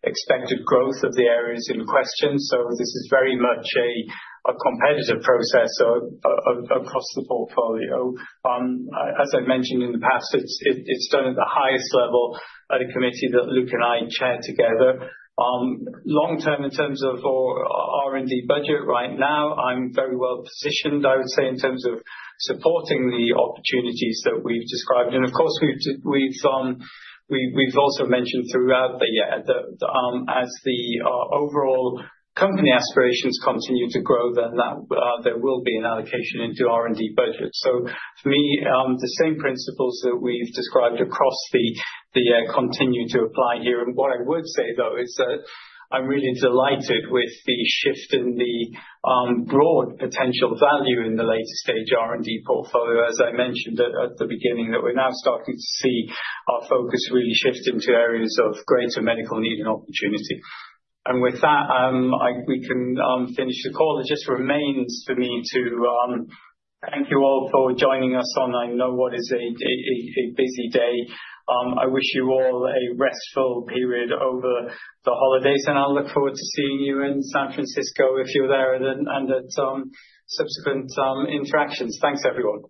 S2: expected growth of the areas in question, so this is very much a competitive process across the portfolio. As I mentioned in the past, it's done at the highest level at a committee that Luke and I chair together. Long-term, in terms of our R&D budget right now, I'm very well positioned, I would say, in terms of supporting the opportunities that we've described, and of course, we've also mentioned throughout that as the overall company aspirations continue to grow, then there will be an allocation into R&D budget. So for me, the same principles that we've described across the year continue to apply here. And what I would say, though, is that I'm really delighted with the shift in the broad potential value in the later stage R&D portfolio, as I mentioned at the beginning, that we're now starting to see our focus really shift into areas of greater medical need and opportunity.
S1: And with that, we can finish the call. It just remains for me to thank you all for joining us on, I know, what is a busy day. I wish you all a restful period over the holidays, and I'll look forward to seeing you in San Francisco if you're there and at subsequent interactions. Thanks, everyone.